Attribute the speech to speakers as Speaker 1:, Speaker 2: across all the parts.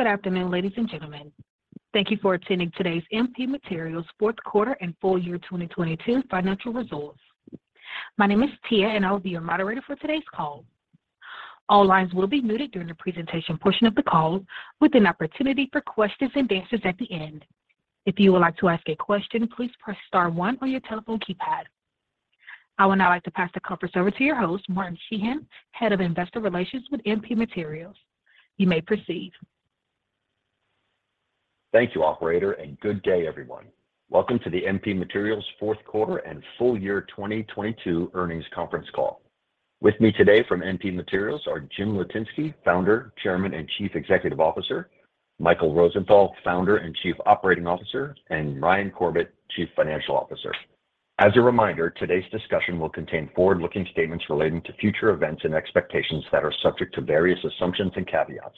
Speaker 1: Good afternoon, ladies and gentlemen. Thank you for attending today's MP Materials Fourth Quarter and Full Year 2022 Financial Results. My name is Tia, and I'll be your moderator for today's call. All lines will be muted during the presentation portion of the call, with an opportunity for questions and answers at the end. If you would like to ask a question, please press star one on your telephone keypad. I would now like to pass the conference over to your host, Martin Sheehan, Head of Investor Relations with MP Materials. You may proceed.
Speaker 2: Thank you, operator. Good day, everyone. Welcome to the MP Materials Fourth Quarter and Full Year 2022 Earnings Conference Call. With me today from MP Materials are Jim Litinsky, Founder, Chairman, and Chief Executive Officer, Michael Rosenthal, Founder and Chief Operating Officer, and Ryan Corbett, Chief Financial Officer. As a reminder, today's discussion will contain forward-looking statements relating to future events and expectations that are subject to various assumptions and caveats.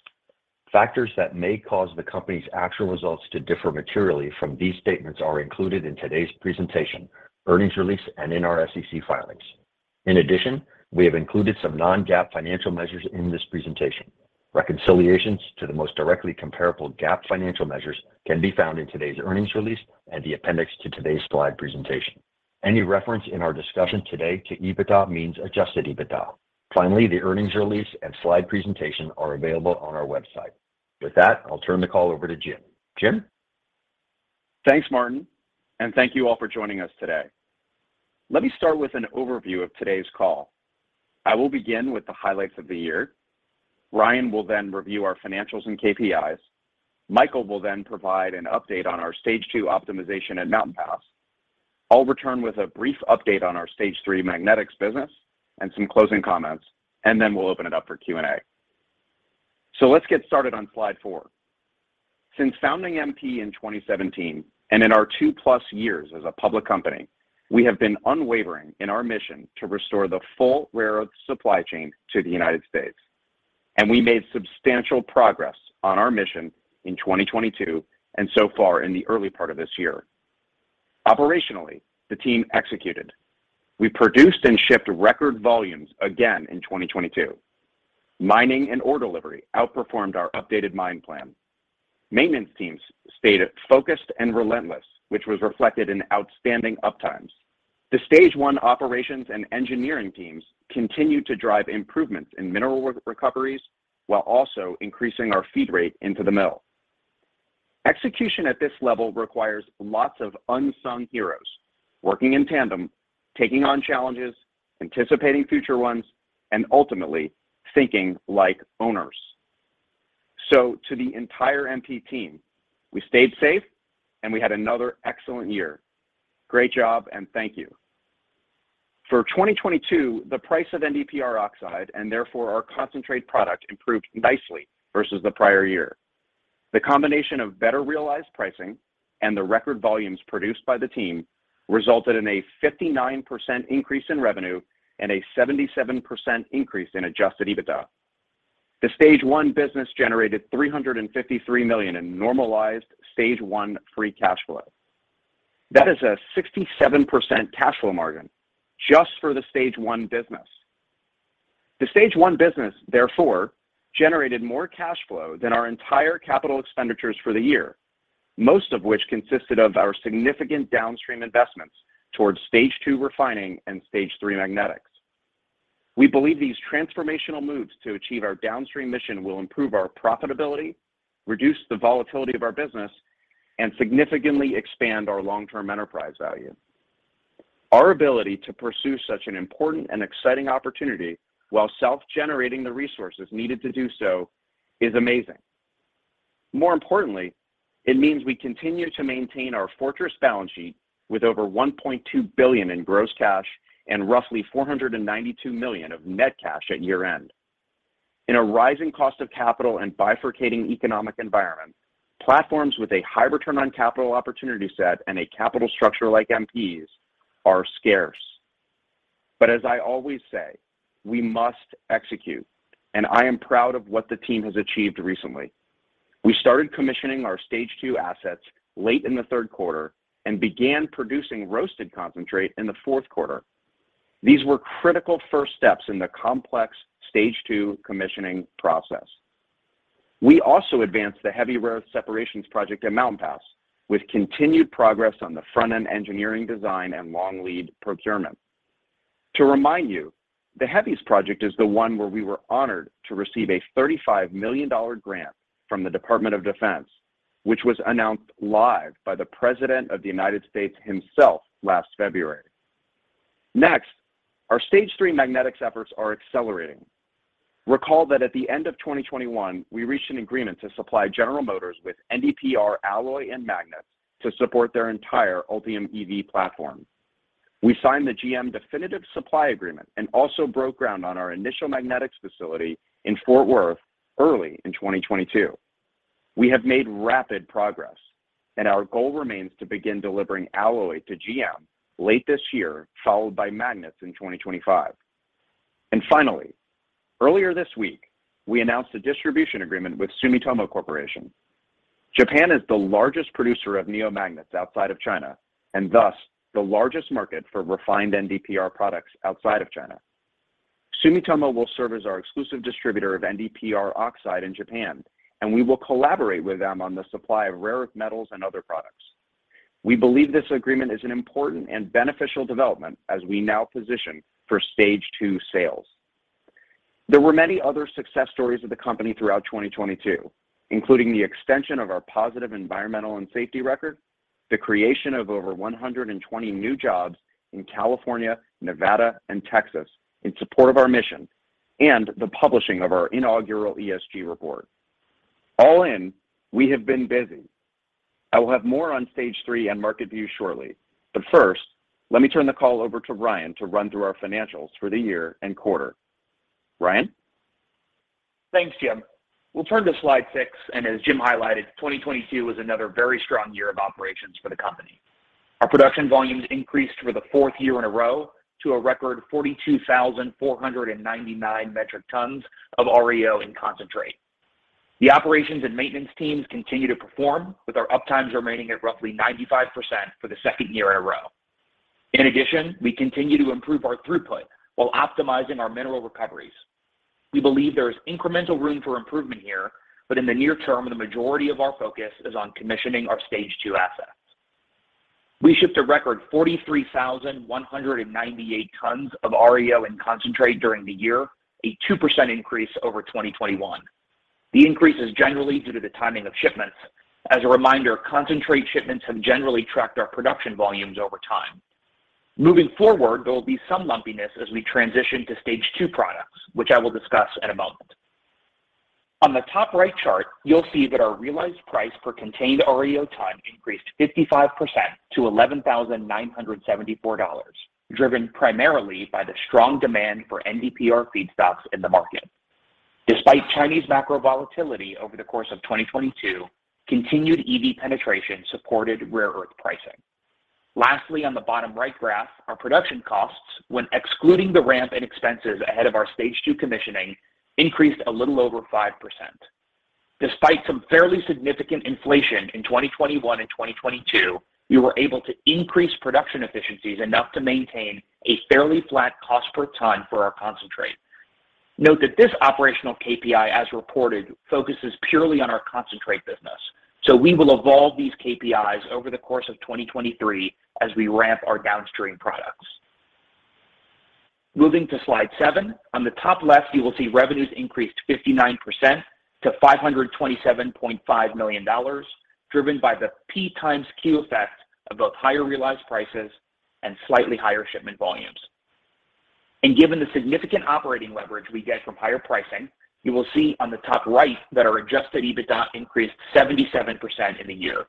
Speaker 2: Factors that may cause the company's actual results to differ materially from these statements are included in today's presentation, earnings release, and in our SEC filings. In addition, we have included some non-GAAP financial measures in this presentation. Reconciliations to the most directly comparable GAAP financial measures can be found in today's earnings release and the appendix to today's slide presentation. Any reference in our discussion today to EBITDA means adjusted EBITDA. Finally, the earnings release and slide presentation are available on our website. With that, I'll turn the call over to Jim. Jim?
Speaker 3: Thanks, Martin, and thank you all for joining us today. Let me start with an overview of today's call. I will begin with the highlights of the year. Ryan will then review our financials and KPIs. Michael will then provide an update on our Stage Two optimization at Mountain Pass. I'll return with a brief update on our Stage Three magnetics business and some closing comments, and then we'll open it up for Q&A. Let's get started on slide 4. Since founding MP in 2017, and in our two-plus years as a public company, we have been unwavering in our mission to restore the full rare earth supply chain to the United States, and we made substantial progress on our mission in 2022 and so far in the early part of this year. Operationally, the team executed. We produced and shipped record volumes again in 2022. Mining and ore delivery outperformed our updated mine plan. Maintenance teams stayed focused and relentless, which was reflected in outstanding uptimes. The Stage One operations and engineering teams continued to drive improvements in mineral recoveries while also increasing our feed rate into the mill. Execution at this level requires lots of unsung heroes working in tandem, taking on challenges, anticipating future ones, and ultimately thinking like owners. To the entire MP team, we stayed safe, and we had another excellent year. Great job, and thank you. For 2022, the price of NdPr oxide, and therefore our concentrate product, improved nicely versus the prior year. The combination of better realized pricing and the record volumes produced by the team resulted in a 59% increase in revenue and a 77% increase in Adjusted EBITDA. The Stage One business generated $353 million in normalized Stage One free cash flow. That is a 67% cash flow margin just for the Stage One business. The Stage One business, therefore, generated more cash flow than our entire capital expenditures for the year, most of which consisted of our significant downstream investments towards Stage Two refining and Stage Three magnetics. We believe these transformational moves to achieve our downstream mission will improve our profitability, reduce the volatility of our business, and significantly expand our long-term enterprise value. Our ability to pursue such an important and exciting opportunity while self-generating the resources needed to do so is amazing. More importantly, it means we continue to maintain our fortress balance sheet with over $1.2 billion in gross cash and roughly $492 million of net cash at year-end. In a rising cost of capital and bifurcating economic environment, platforms with a high return on capital opportunity set and a capital structure like MP's are scarce. As I always say, we must execute, and I am proud of what the team has achieved recently. We started commissioning our Stage Two assets late in the third quarter and began producing roasted concentrate in the fourth quarter. These were critical first steps in the complex Stage Two commissioning process. We also advanced the heavy rare earth separations project at Mountain Pass with continued progress on the front-end engineering design and long lead procurement. To remind you, the heavies project is the one where we were honored to receive a $35 million grant from the Department of Defense, which was announced live by the President of the United States himself last February. Next, our Stage Three magnetics efforts are accelerating. Recall that at the end of 2021, we reached an agreement to supply General Motors with NdPr alloy and magnets to support their entire Ultium EV platform. We signed the GM definitive supply agreement and also broke ground on our initial magnetics facility in Fort Worth early in 2022. We have made rapid progress, and our goal remains to begin delivering alloy to GM late this year, followed by magnets in 2025. Finally, earlier this week, we announced a distribution agreement with Sumitomo Corporation. Japan is the largest producer of neo-magnets outside of China and thus the largest market for refined NdPr products outside of China. Sumitomo will serve as our exclusive distributor of NdPr oxide in Japan, and we will collaborate with them on the supply of rare earth metals and other products. We believe this agreement is an important and beneficial development as we now position for Stage II sales. There were many other success stories of the company throughout 2022, including the extension of our positive environmental and safety record, the creation of over 120 new jobs in California, Nevada, and Texas in support of our mission, and the publishing of our inaugural ESG report. All in, we have been busy. I will have more on Stage III and market view shortly, but first, let me turn the call over to Ryan to run through our financials for the year and quarter. Ryan?
Speaker 4: Thanks, Jim. We'll turn to slide 6, and as Jim highlighted, 2022 was another very strong year of operations for the company. Our production volumes increased for the 4th year in a row to a record 42,499 metric tons of REO and concentrate. The operations and maintenance teams continue to perform with our uptimes remaining at roughly 95% for the 2nd year in a row. In addition, we continue to improve our throughput while optimizing our mineral recoveries. We believe there is incremental room for improvement here, but in the near term, the majority of our focus is on commissioning our Stage II assets. We shipped a record 43,198 tons of REO and concentrate during the year, a 2% increase over 2021. The increase is generally due to the timing of shipments. As a reminder, concentrate shipments have generally tracked our production volumes over time. Moving forward, there will be some lumpiness as we transition to Stage II products, which I will discuss in a moment. On the top right chart, you'll see that our realized price per contained REO ton increased 55% to $11,974, driven primarily by the strong demand for NdPr feedstocks in the market. Despite Chinese macro volatility over the course of 2022, continued EV penetration supported rare earth pricing. Lastly, on the bottom right graph, our production costs, when excluding the ramp and expenses ahead of our Stage II commissioning, increased a little over 5%. Despite some fairly significant inflation in 2021 and 2022, we were able to increase production efficiencies enough to maintain a fairly flat cost per ton for our concentrate. Note that this operational KPI, as reported, focuses purely on our concentrate business. We will evolve these KPIs over the course of 2023 as we ramp our downstream products. Moving to slide 7. On the top left, you will see revenues increased 59% to $527.5 million, driven by the P times Q effect of both higher realized prices and slightly higher shipment volumes. Given the significant operating leverage we get from higher pricing, you will see on the top right that our adjusted EBITDA increased 77% in the year.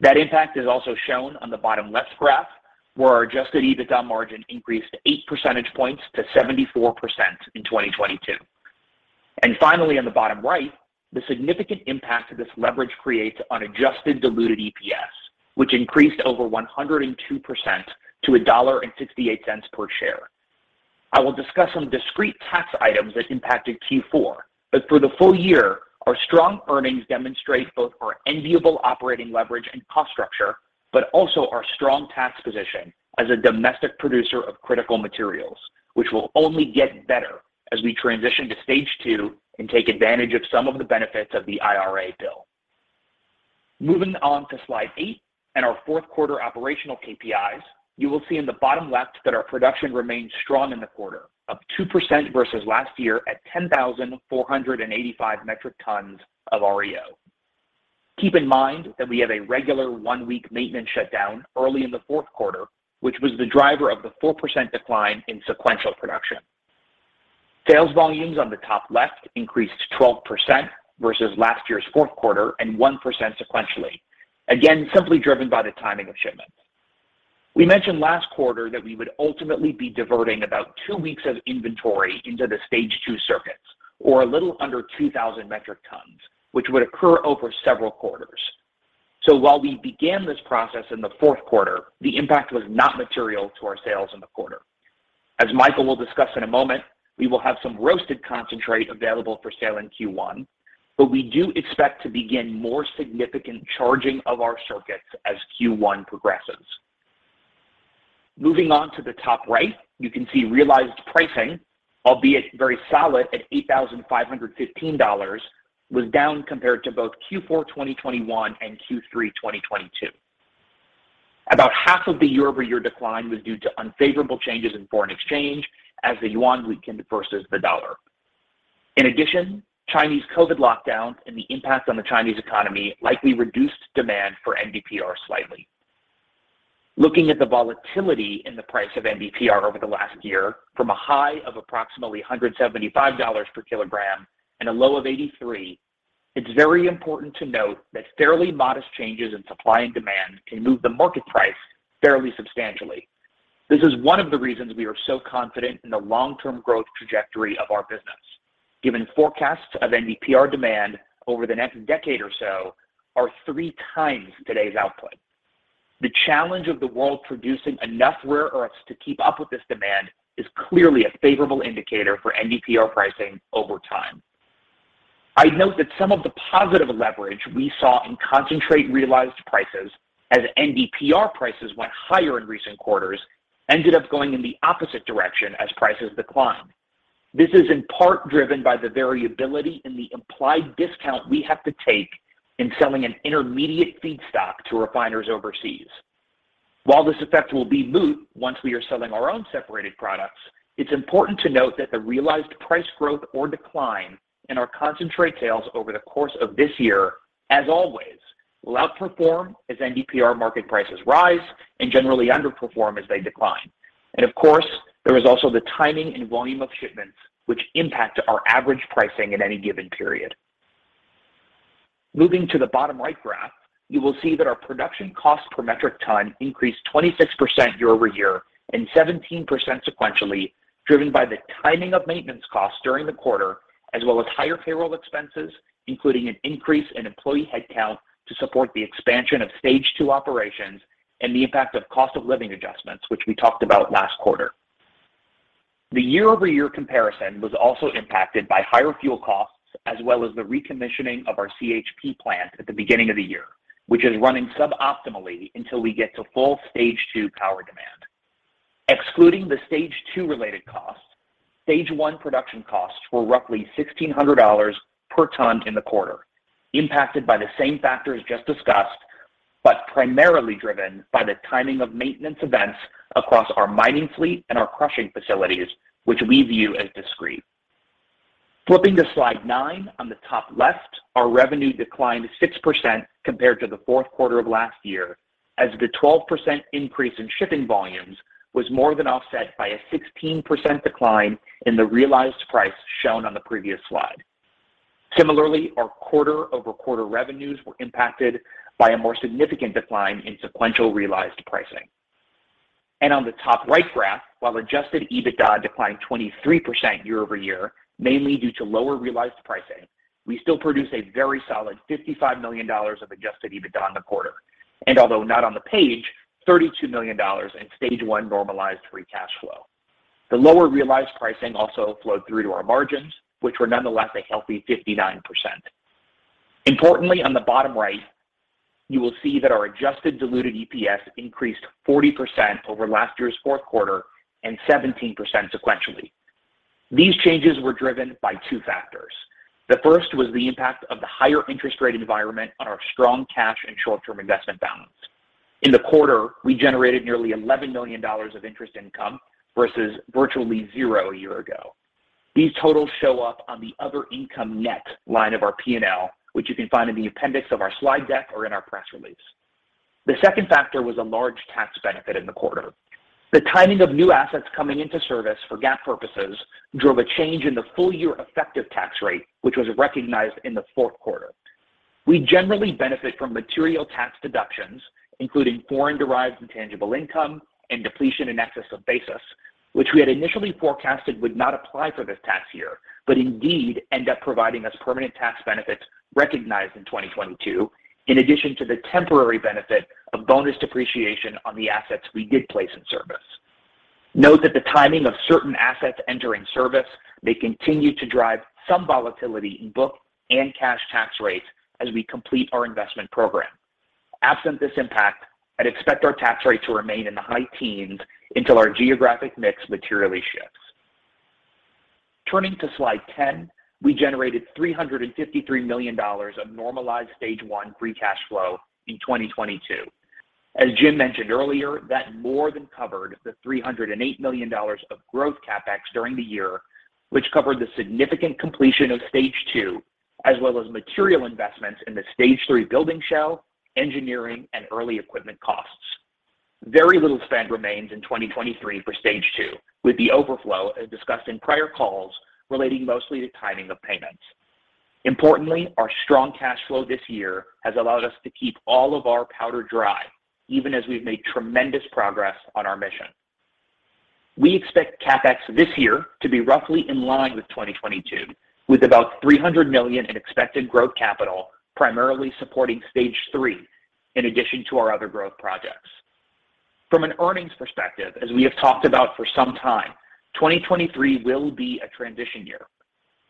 Speaker 4: That impact is also shown on the bottom left graph, where our adjusted EBITDA margin increased 8 percentage points to 74% in 2022. Finally, on the bottom right, the significant impact this leverage creates on adjusted diluted EPS, which increased over 102% to $1.68 per share. I will discuss some discrete tax items that impacted Q4, but for the full year, our strong earnings demonstrate both our enviable operating leverage and cost structure, but also our strong tax position as a domestic producer of critical materials, which will only get better as we transition to stage two and take advantage of some of the benefits of the IRA bill. Moving on to slide 8 and our fourth quarter operational KPIs, you will see in the bottom left that our production remained strong in the quarter, up 2% versus last year at 10,485 metric tons of REO. Keep in mind that we have a regular one-week maintenance shutdown early in the fourth quarter, which was the driver of the 4% decline in sequential production. Sales volumes on the top left increased 12% versus last year's fourth quarter and 1% sequentially. Again, simply driven by the timing of shipments. We mentioned last quarter that we would ultimately be diverting about two weeks of inventory into the Stage II circuits or a little under 2,000 metric tons, which would occur over several quarters. While we began this process in the fourth quarter, the impact was not material to our sales in the quarter. As Michael will discuss in a moment, we will have some roasted concentrate available for sale in Q1, but we do expect to begin more significant charging of our circuits as Q1 progresses. Moving on to the top right, you can see realized pricing, albeit very solid at $8,515, was down compared to both Q4 2021 and Q3 2022. About half of the year-over-year decline was due to unfavorable changes in foreign exchange as the yuan weakened versus the dollar. Chinese COVID lockdowns and the impact on the Chinese economy likely reduced demand for NdPr slightly. Looking at the volatility in the price of NdPr over the last year from a high of approximately $175 per kilogram and a low of $83 per kilogram, it's very important to note that fairly modest changes in supply and demand can move the market price fairly substantially. This is one of the reasons we are so confident in the long-term growth trajectory of our business, given forecasts of NdPr demand over the next decade or so are three times today's output. The challenge of the world producing enough rare earths to keep up with this demand is clearly a favorable indicator for NdPr pricing over time. I note that some of the positive leverage we saw in concentrate realized prices as NdPr prices went higher in recent quarters ended up going in the opposite direction as prices declined. This is in part driven by the variability in the implied discount we have to take in selling an intermediate feedstock to refiners overseas. While this effect will be moot once we are selling our own separated products, it's important to note that the realized price growth or decline in our concentrate sales over the course of this year, as always, will outperform as NdPr market prices rise and generally underperform as they decline. Of course, there is also the timing and volume of shipments which impact our average pricing in any given period. Moving to the bottom right graph, you will see that our production cost per metric ton increased 26% year-over-year and 17% sequentially, driven by the timing of maintenance costs during the quarter, as well as higher payroll expenses, including an increase in employee headcount to support the expansion of Stage II operations and the impact of cost of living adjustments, which we talked about last quarter. The year-over-year comparison was also impacted by higher fuel costs as well as the recommissioning of our CHP plant at the beginning of the year, which is running suboptimally until we get to full Stage Two power demand. Excluding the Stage Two related costs, Stage One production costs were roughly $1,600 per ton in the quarter, impacted by the same factors just discussed, primarily driven by the timing of maintenance events across our mining fleet and our crushing facilities, which we view as discrete. Flipping to slide 9 on the top left, our revenue declined 6% compared to the fourth quarter of last year as the 12% increase in shipping volumes was more than offset by a 16% decline in the realized price shown on the previous slide. Similarly, our quarter-over-quarter revenues were impacted by a more significant decline in sequential realized pricing. On the top right graph, while adjusted EBITDA declined 23% year-over-year, mainly due to lower realized pricing, we still produce a very solid $55 million of adjusted EBITDA in the quarter. Although not on the page, $32 million in Stage One normalized free cash flow. The lower realized pricing also flowed through to our margins, which were nonetheless a healthy 59%. Importantly, on the bottom right, you will see that our adjusted diluted EPS increased 40% over last year's fourth quarter and 17% sequentially. These changes were driven by two factors. The first was the impact of the higher interest rate environment on our strong cash and short-term investment balance. In the quarter, we generated nearly $11 million of interest income versus virtually zero a year ago. These totals show up on the other income net line of our P&L, which you can find in the appendix of our slide deck or in our press release. The second factor was a large tax benefit in the quarter. The timing of new assets coming into service for GAAP purposes drove a change in the full year effective tax rate, which was recognized in the fourth quarter. We generally benefit from material tax deductions, including foreign-derived intangible income and depletion in excess of basis, which we had initially forecasted would not apply for this tax year, but indeed end up providing us permanent tax benefits recognized in 2022, in addition to the temporary benefit of bonus depreciation on the assets we did place in service. Note that the timing of certain assets entering service may continue to drive some volatility in book and cash tax rates as we complete our investment program. Absent this impact, I'd expect our tax rate to remain in the high teens until our geographic mix materially shifts. Turning to slide 10, we generated $353 million of normalized Stage One free cash flow in 2022. As Jim mentioned earlier, that more than covered the $308 million of growth CapEx during the year, which covered the significant completion of Stage Two, as well as material investments in the Stage Three building shell, engineering, and early equipment costs. Very little spend remains in 2023 for Stage Two, with the overflow as discussed in prior calls relating mostly to timing of payments. Importantly, our strong cash flow this year has allowed us to keep all of our powder dry, even as we've made tremendous progress on our mission. We expect CapEx this year to be roughly in line with 2022, with about $300 million in expected growth capital primarily supporting Stage Three in addition to our other growth projects. From an earnings perspective, as we have talked about for some time, 2023 will be a transition year.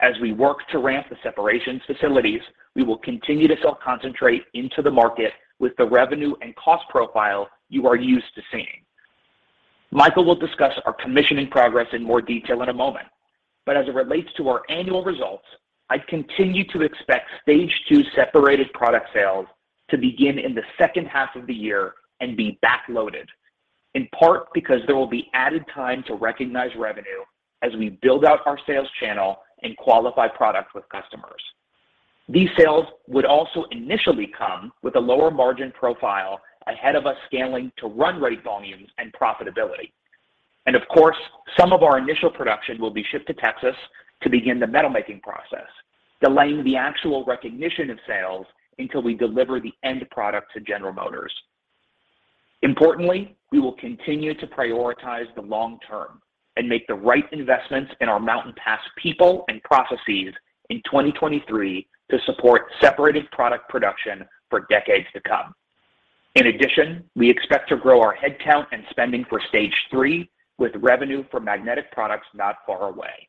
Speaker 4: As we work to ramp the separations facilities, we will continue to sell concentrate into the market with the revenue and cost profile you are used to seeing. Michael will discuss our commissioning progress in more detail in a moment. As it relates to our annual results, I continue to expect Stage Two separated product sales to begin in the second half of the year and be backloaded, in part because there will be added time to recognize revenue as we build out our sales channel and qualify product with customers. These sales would also initially come with a lower margin profile ahead of us scaling to run rate volumes and profitability. Of course, some of our initial production will be shipped to Texas to begin the metal making process, delaying the actual recognition of sales until we deliver the end product to General Motors. Importantly, we will continue to prioritize the long term and make the right investments in our Mountain Pass people and processes in 2023 to support separated product production for decades to come. In addition, we expect to grow our headcount and spending for stage three with revenue from magnetic products not far away.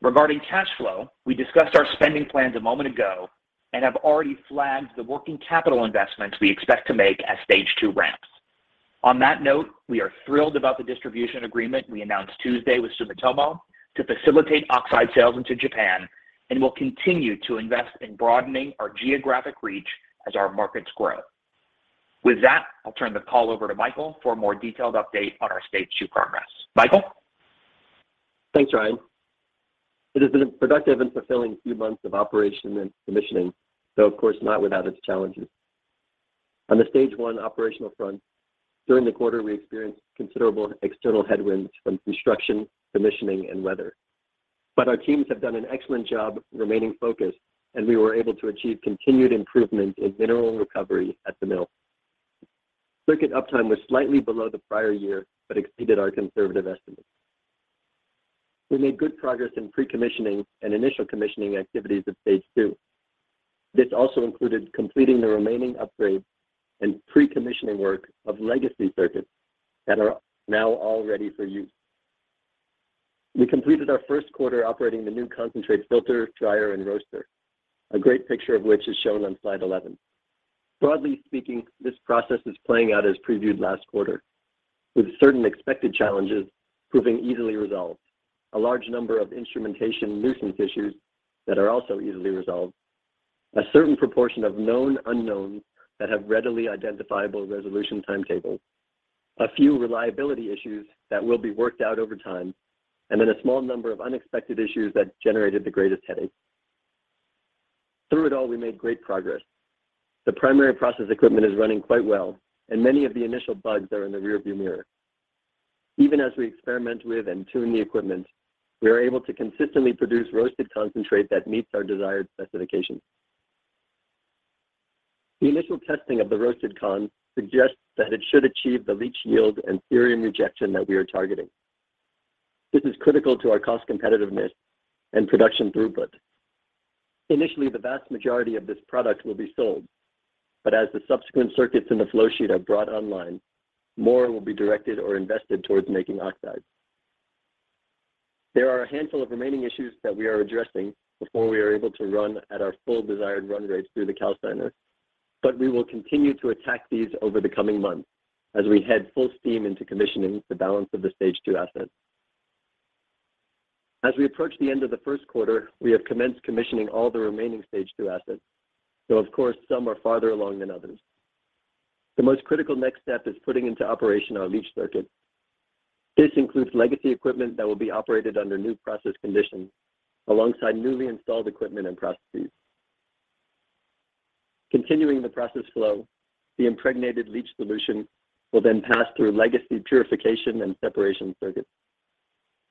Speaker 4: Regarding cash flow, we discussed our spending plans a moment ago and have already flagged the working capital investments we expect to make as stage two ramps. On that note, we are thrilled about the distribution agreement we announced Tuesday with Sumitomo to facilitate oxide sales into Japan, and we'll continue to invest in broadening our geographic reach as our markets grow. With that, I'll turn the call over to Michael for a more detailed update on our stage two progress. Michael?
Speaker 5: Thanks, Ryan. It has been a productive and fulfilling few months of operation and commissioning, though, of course, not without its challenges. On the stage one operational front, during the quarter, we experienced considerable external headwinds from construction, commissioning, and weather. Our teams have done an excellent job remaining focused, and we were able to achieve continued improvement in mineral recovery at the mill. Circuit uptime was slightly below the prior year but exceeded our conservative estimates. We made good progress in pre-commissioning and initial commissioning activities of stage two. This also included completing the remaining upgrades and pre-commissioning work of legacy circuits that are now all ready for use. We completed our first quarter operating the new concentrate filter, dryer, and roaster, a great picture of which is shown on slide 11. Broadly speaking, this process is playing out as previewed last quarter, with certain expected challenges proving easily resolved, a large number of instrumentation nuisance issues that are also easily resolved, a certain proportion of known unknowns that have readily identifiable resolution timetables, a few reliability issues that will be worked out over time, and then a small number of unexpected issues that generated the greatest headache. Through it all, we made great progress. The primary process equipment is running quite well, and many of the initial bugs are in the rearview mirror. Even as we experiment with and tune the equipment, we are able to consistently produce roasted concentrate that meets our desired specifications. The initial testing of the roasted con suggests that it should achieve the leach yield and cerium rejection that we are targeting. This is critical to our cost competitiveness and production throughput. Initially, the vast majority of this product will be sold. As the subsequent circuits in the flow sheet are brought online, more will be directed or invested towards making oxide. There are a handful of remaining issues that we are addressing before we are able to run at our full desired run rates through the calciner, but we will continue to attack these over the coming months as we head full steam into commissioning the balance of the Stage II assets. As we approach the end of the first quarter, we have commenced commissioning all the remaining Stage II assets, though, of course, some are farther along than others. The most critical next step is putting into operation our leach circuit. This includes legacy equipment that will be operated under new process conditions alongside newly installed equipment and processes. Continuing the process flow, the impregnated leach solution will then pass through legacy purification and separation circuits.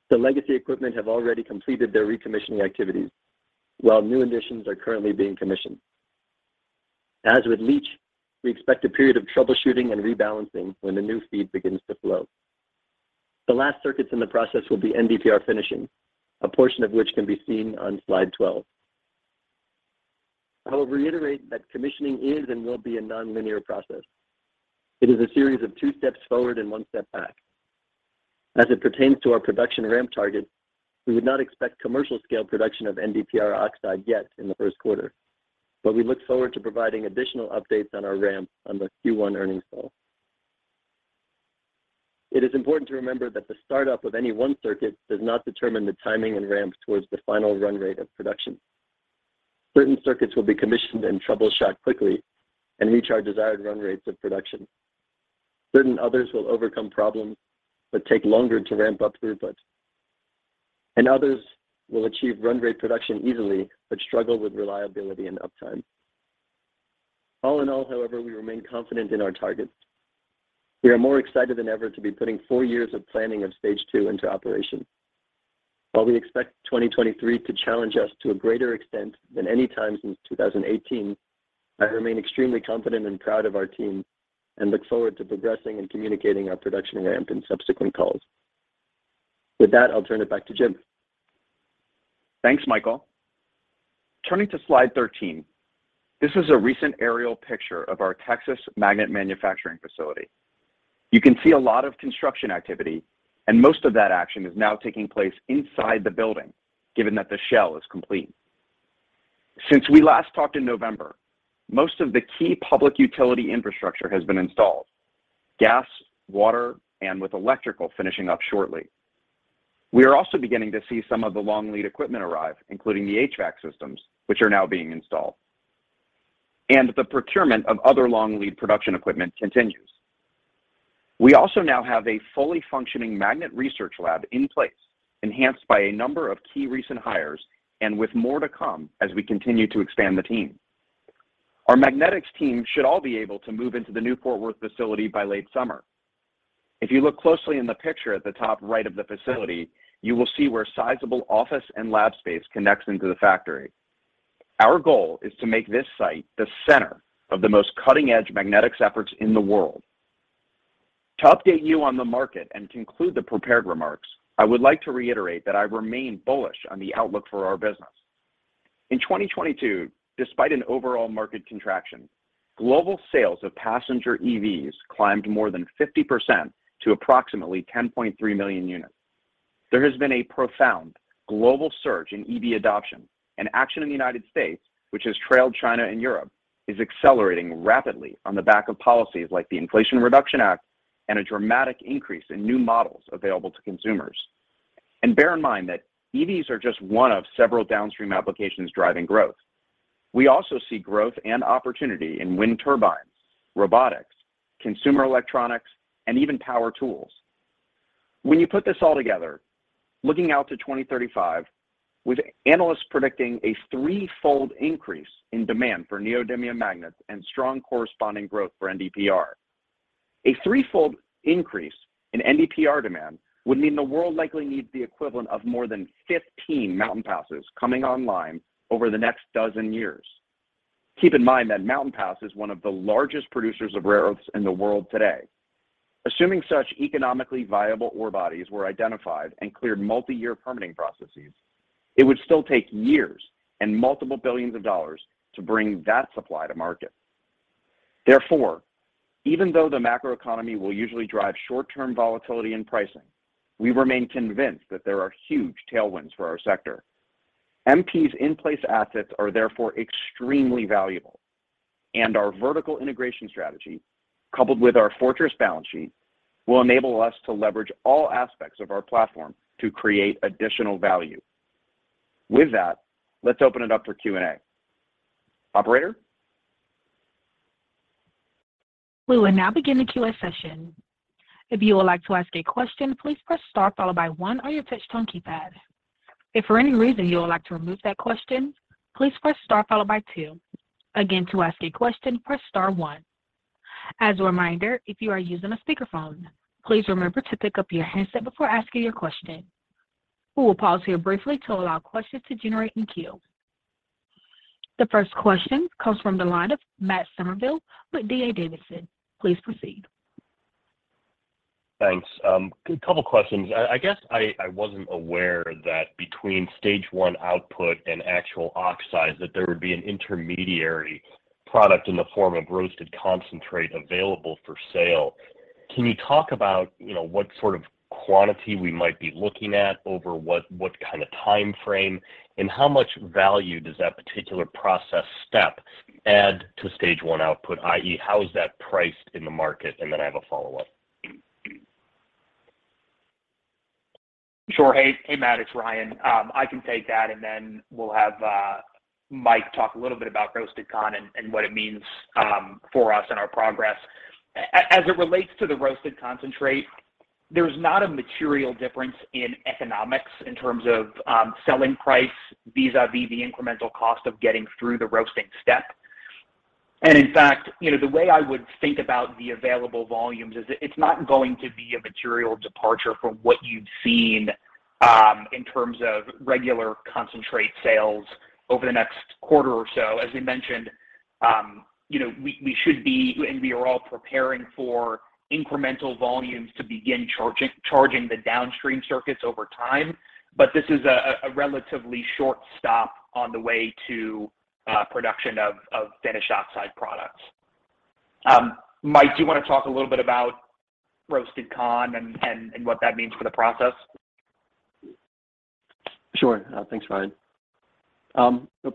Speaker 5: The legacy equipment have already completed their recommissioning activities, while new additions are currently being commissioned. As with leach, we expect a period of troubleshooting and rebalancing when the new feed begins to flow. The last circuits in the process will be NdPr finishing, a portion of which can be seen on slide 12. I will reiterate that commissioning is and will be a nonlinear process. It is a series of two steps forward and one step back. As it pertains to our production ramp target, we would not expect commercial scale production of NdPr oxide yet in the first quarter, but we look forward to providing additional updates on our ramp on the Q1 earnings call. It is important to remember that the start of any one circuit does not determine the timing and ramp towards the final run rate of production. Certain circuits will be commissioned and troubleshot quickly and reach our desired run rates of production. Certain others will overcome problems but take longer to ramp up throughput. Others will achieve run rate production easily but struggle with reliability and uptime. All in all, however, we remain confident in our targets. We are more excited than ever to be putting 4 years of planning of Stage II into operation. While we expect 2023 to challenge us to a greater extent than any time since 2018, I remain extremely confident and proud of our team and look forward to progressing and communicating our production ramp in subsequent calls. With that, I'll turn it back to Jim.
Speaker 3: Thanks, Michael. Turning to slide 13, this is a recent aerial picture of our Texas magnet manufacturing facility. You can see a lot of construction activity, and most of that action is now taking place inside the building, given that the shell is complete. Since we last talked in November, most of the key public utility infrastructure has been installed: gas, water, and with electrical finishing up shortly. We are also beginning to see some of the long lead equipment arrive, including the HVAC systems, which are now being installed. The procurement of other long lead production equipment continues. We also now have a fully functioning magnet research lab in place, enhanced by a number of key recent hires and with more to come as we continue to expand the team. Our magnetics team should all be able to move into the new Fort Worth facility by late summer. If you look closely in the picture at the top right of the facility, you will see where sizable office and lab space connects into the factory. Our goal is to make this site the center of the most cutting-edge magnetics efforts in the world. To update you on the market and conclude the prepared remarks, I would like to reiterate that I remain bullish on the outlook for our business. In 2022, despite an overall market contraction, global sales of passenger EVs climbed more than 50% to approximately 10.3 million units. There has been a profound global surge in EV adoption and action in the United States, which has trailed China and Europe, is accelerating rapidly on the back of policies like the Inflation Reduction Act and a dramatic increase in new models available to consumers. Bear in mind that EVs are just one of several downstream applications driving growth. We also see growth and opportunity in wind turbines, robotics, consumer electronics, and even power tools. When you put this all together, looking out to 2035, with analysts predicting a threefold increase in demand for neodymium magnets and strong corresponding growth for NdPr. A threefold increase in NdPr demand would mean the world likely needs the equivalent of more than 15 Mountain Passes coming online over the next 12 years. Keep in mind that Mountain Pass is one of the largest producers of rare earths in the world today. Assuming such economically viable ore bodies were identified and cleared multi-year permitting processes, it would still take years and multiple billions of dollars to bring that supply to market. Therefore, even though the macroeconomy will usually drive short-term volatility in pricing, we remain convinced that there are huge tailwinds for our sector. MP's in-place assets are therefore extremely valuable, and our vertical integration strategy, coupled with our fortress balance sheet, will enable us to leverage all aspects of our platform to create additional value. With that, let's open it up for Q&A. Operator?
Speaker 1: We will now begin the Q&A session. If you would like to ask a question, please press star followed by one on your touch tone keypad. If for any reason you would like to remove that question, please press star followed by two. Again, to ask a question, press star one. As a reminder, if you are using a speakerphone, please remember to pick up your handset before asking your question. We will pause here briefly to allow questions to generate in queue. The first question comes from the line of Matt Summerville with D.A. Davidson. Please proceed.
Speaker 6: Thanks. A couple questions. I guess I wasn't aware that between stage one output and actual oxides, that there would be an intermediary product in the form of roasted concentrate available for sale. Can you talk about, you know, what sort of quantity we might be looking at over what kind of timeframe, and how much value does that particular process step add to stage one output? I.e., how is that priced in the market? Then I have a follow-up.
Speaker 4: Sure. Hey, hey Matt, it's Ryan. I can take that, and then we'll have Mike talk a little bit about roasted con and what it means for us and our progress. As it relates to the roasted concentrate, there's not a material difference in economics in terms of selling price vis-à-vis the incremental cost of getting through the roasting step. In fact, you know, the way I would think about the available volumes is it's not going to be a material departure from what you've seen in terms of regular concentrate sales over the next quarter or so. As we mentioned, you know, we should be and we are all preparing for incremental volumes to begin charging the downstream circuits over time. This is a relatively short stop on the way to production of finished oxide products. Mike, do you want to talk a little bit about roasted con and what that means for the process?
Speaker 5: Sure. Thanks, Ryan.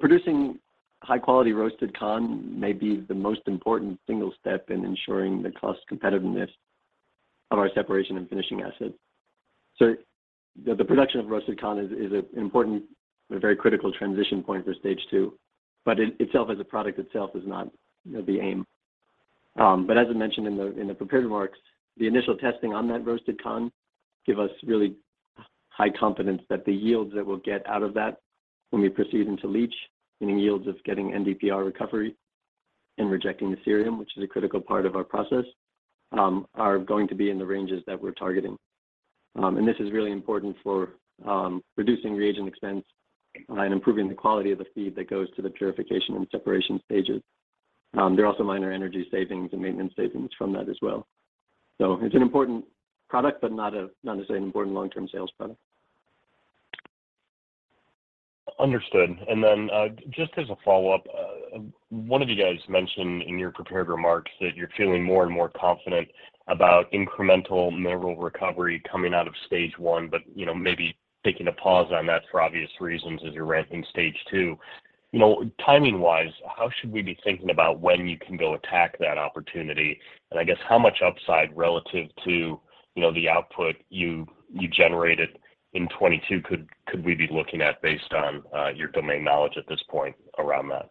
Speaker 5: Producing high-quality roasted con may be the most important single step in ensuring the cost competitiveness of our separation and finishing assets. The production of roasted con is an important and a very critical transition point for stage two, but it itself as a product itself is not, you know, the aim. As I mentioned in the, in the prepared remarks, the initial testing on that roasted con give us really high confidence that the yields that we'll get out of that when we proceed into leach, meaning yields of getting NdPr recovery and rejecting the cerium, which is a critical part of our process, are going to be in the ranges that we're targeting. This is really important for reducing reagent expense and improving the quality of the feed that goes to the purification and separation stages. There are also minor energy savings and maintenance savings from that as well. It's an important product, but not a, not necessarily an important long-term sales product.
Speaker 6: Understood. Then, just as a follow-up, one of you guys mentioned in your prepared remarks that you're feeling more and more confident about incremental mineral recovery coming out of stage one, but, you know, maybe taking a pause on that for obvious reasons as you're ramping stage two. You know, timing-wise, how should we be thinking about when you can go attack that opportunity? I guess how much upside relative to, you know, the output you generated in 22 could we be looking at based on, your domain knowledge at this point around that?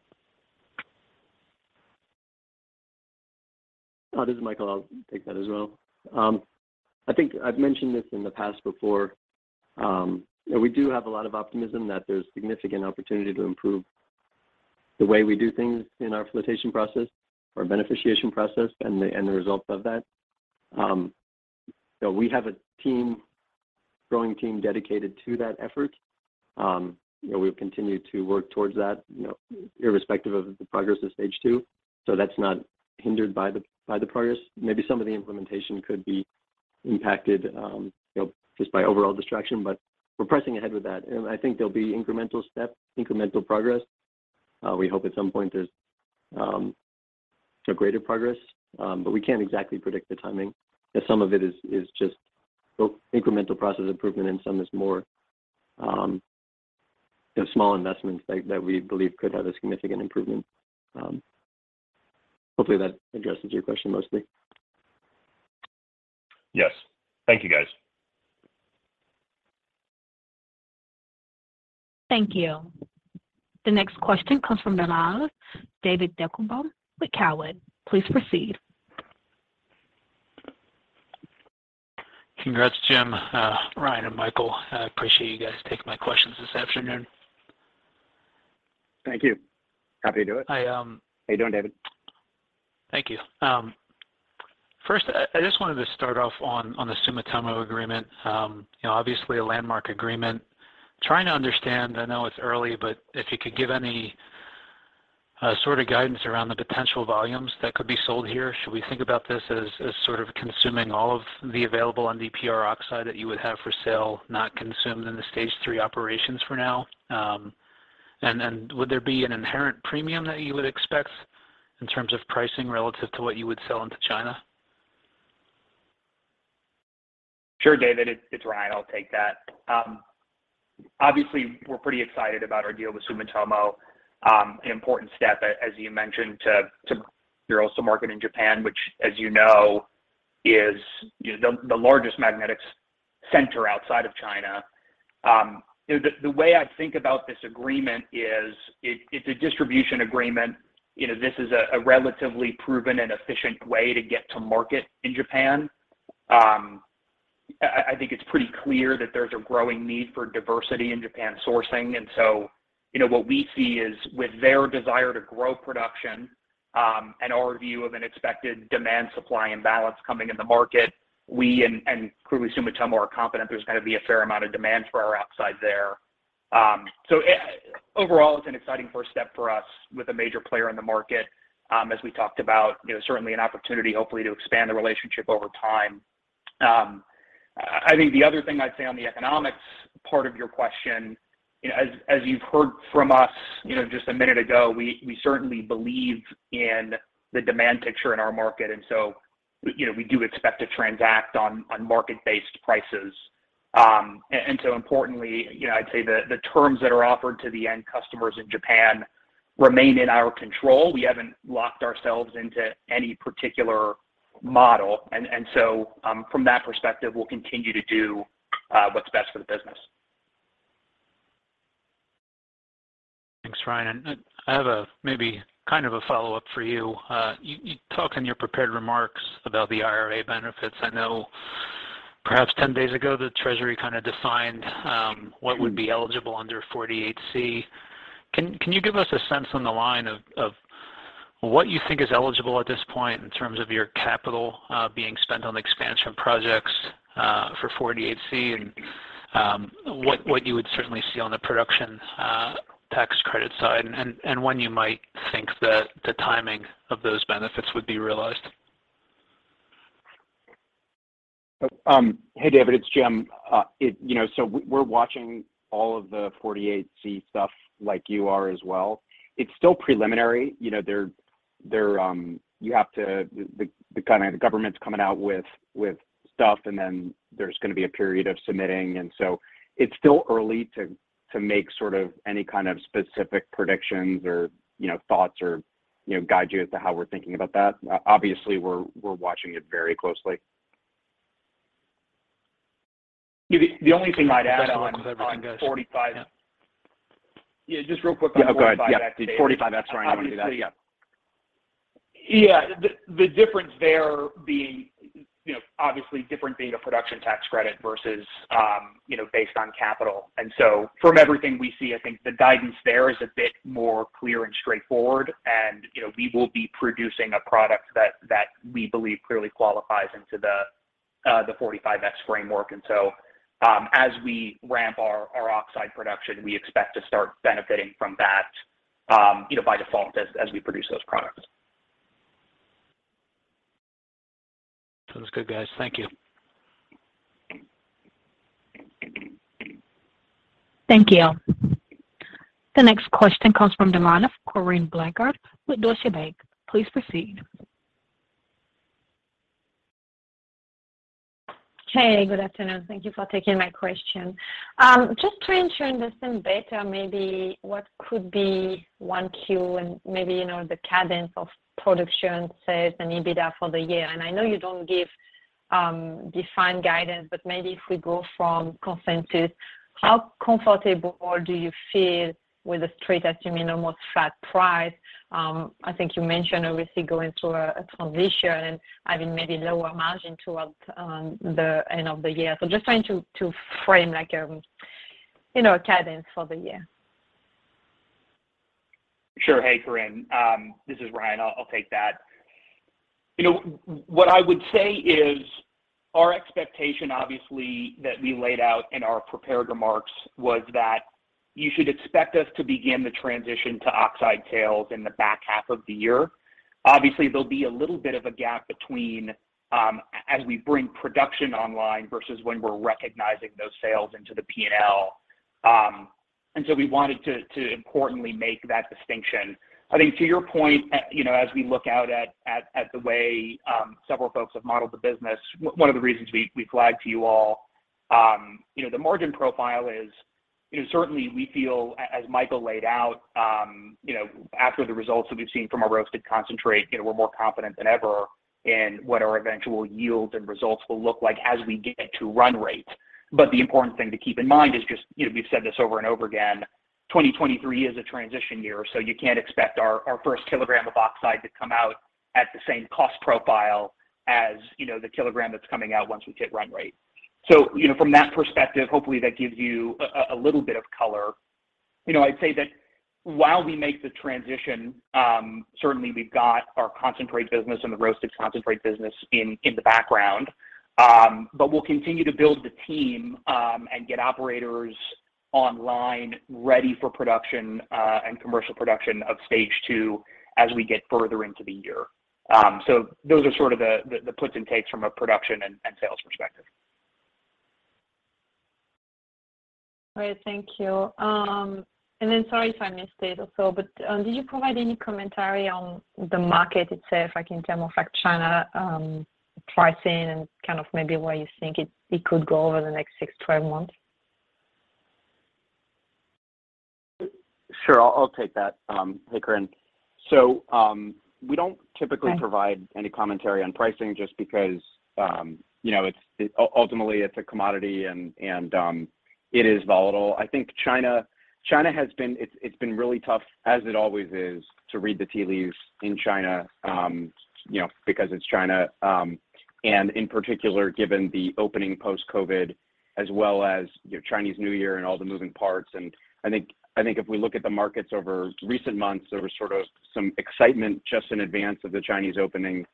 Speaker 5: This is Michael. I'll take that as well. I think I've mentioned this in the past before, that we do have a lot of optimism that there's significant opportunity to improve the way we do things in our flotation process or beneficiation process and the results of that. You know, we have a growing team dedicated to that effort. You know, we've continued to work towards that, you know, irrespective of the progress of Stage II. That's not hindered by the progress. Maybe some of the implementation could be impacted, you know, just by overall distraction, but we're pressing ahead with that. I think there'll be incremental step, incremental progress. We hope at some point there's a greater progress, but we can't exactly predict the timing as some of it is just incremental process improvement, and some is more, you know, small investments that we believe could have a significant improvement. Hopefully that addresses your question mostly.
Speaker 6: Yes. Thank you, guys.
Speaker 1: Thank you. The next question comes from the line of David Deckelbaum with Cowen. Please proceed.
Speaker 7: Congrats, Jim, Ryan, and Michael. I appreciate you guys taking my questions this afternoon.
Speaker 5: Thank you.
Speaker 4: Happy to do it.
Speaker 7: I, um-
Speaker 5: How you doing, David?
Speaker 7: Thank you. First, I just wanted to start off on the Sumitomo agreement. you know, obviously a landmark agreement. Trying to understand, I know it's early, but if you could give any sort of guidance around the potential volumes that could be sold here. Should we think about this as sort of consuming all of the available NdPr oxide that you would have for sale, not consumed in the stage three operations for now? Would there be an inherent premium that you would expect in terms of pricing relative to what you would sell into China?
Speaker 4: Sure, David. It's Ryan. I'll take that. Obviously we're pretty excited about our deal with Sumitomo. An important step, as you mentioned, to our sales market in Japan, which as you know, is the largest magnetics center outside of China. You know, the way I think about this agreement is it's a distribution agreement. You know, this is a relatively proven and efficient way to get to market in Japan. I think it's pretty clear that there's a growing need for diversity in Japan sourcing. You know, what we see is with their desire to grow production, and our view of an expected demand supply imbalance coming in the market, we and clearly Sumitomo are confident there's gonna be a fair amount of demand for our oxide there. Overall, it's an exciting first step for us with a major player in the market, as we talked about. You know, certainly an opportunity hopefully to expand the relationship over time. I think the other thing I'd say on the economics part of your question, you know, as you've heard from us, you know, just a minute ago, we certainly believe in the demand picture in our market. You know, we do expect to transact on market-based prices. Importantly, you know, I'd say the terms that are offered to the end customers in Japan remain in our control. We haven't locked ourselves into any particular model. From that perspective, we'll continue to do what's best for the business.
Speaker 7: Thanks, Ryan. I have a maybe kind of a follow-up for you. you talk in your prepared remarks about the IRA benefits. I know perhaps 10 days ago, the treasury kind of defined what would be eligible under 48C. Can you give us a sense on the line of what you think is eligible at this point in terms of your capital being spent on expansion projects for 48C and what you would certainly see on the production tax credit side, and when you might think that the timing of those benefits would be realized?
Speaker 3: Hey, David, it's Jim. You know, so we're watching all of the 48C stuff like you are as well. It's still preliminary. You know, they're, the kind of government's coming out with stuff, and then there's gonna be a period of submitting. It's still early to make sort of any kind of specific predictions or, you know, thoughts or, you know, guide you as to how we're thinking about that. Obviously, we're watching it very closely.
Speaker 4: The only thing I'd add on.
Speaker 7: Yeah. Just real quick on the 45X.
Speaker 3: Yeah. Go ahead. Yeah. The 45X, Ryan. You wanna do that? Yeah.
Speaker 4: Yeah. The difference there being, you know, obviously different being a production tax credit versus, you know, based on capital. From everything we see, I think the guidance there is a bit more clear and straightforward. You know, we will be producing a product that we believe clearly qualifies into the 45X framework. As we ramp our oxide production, we expect to start benefiting from that, you know, by default as we produce those products.
Speaker 7: Sounds good, guys. Thank you.
Speaker 1: Thank you. The next question comes from the line of Corinne Blanchard with Deutsche Bank. Please proceed.
Speaker 8: Hey. Good afternoon. Thank you for taking my question. Just to ensure and understand better maybe what could be one Q and maybe, you know, the cadence of production sales and EBITDA for the year. I know you don't give defined guidance, but maybe if we go from consensus, how comfortable do you feel with a straight assuming almost flat price? I think you mentioned obviously going through a transition and having maybe lower margin towards the end of the year. Just trying to frame like, you know, a cadence for the year.
Speaker 4: Sure. Hey, Corinne. This is Ryan. I'll take that. You know, what I would say is our expectation, obviously, that we laid out in our prepared remarks was that you should expect us to begin the transition to oxide sales in the back half of the year. Obviously, there'll be a little bit of a gap between as we bring production online versus when we're recognizing those sales into the P&L. We wanted to importantly make that distinction. I think to your point, you know, as we look out at the way several folks have modeled the business, one of the reasons we flagged to you all, you know, the margin profile is, you know, certainly we feel as Michael laid out, you know, after the results that we've seen from our roasted concentrate, you know, we're more confident than ever in what our eventual yields and results will look like as we get to run rate. The important thing to keep in mind is just, you know, we've said this over and over again, 2023 is a transition year, so you can't expect our first kilogram of oxide to come out at the same cost profile as, you know, the kilogram that's coming out once we hit run rate. You know, from that perspective, hopefully that gives you a little bit of color. You know, I'd say that while we make the transition, certainly we've got our concentrate business and the roasted concentrate business in the background, but we'll continue to build the team and get operators online ready for production and commercial production of stage two as we get further into the year. Those are sort of the puts and takes from a production and sales perspective.
Speaker 8: Great. Thank you. Sorry if I missed it also, but, did you provide any commentary on the market itself, like in terms of like China, pricing and kind of maybe where you think it could go over the next six to twelve months?
Speaker 3: Sure. I'll take that. Hey Corinne. we don't typically provide any commentary on pricing just because, you know, it's ultimately it's a commodity and it is volatile. I think China has been... it's been really tough as it always is to read the tea leaves in China, you know, because it's China. In particular, given the opening post-COVID as well as, you know, Chinese New Year and all the moving parts. I think if we look at the markets over recent months, there was sort of some excitement just in advance of the Chinese opening,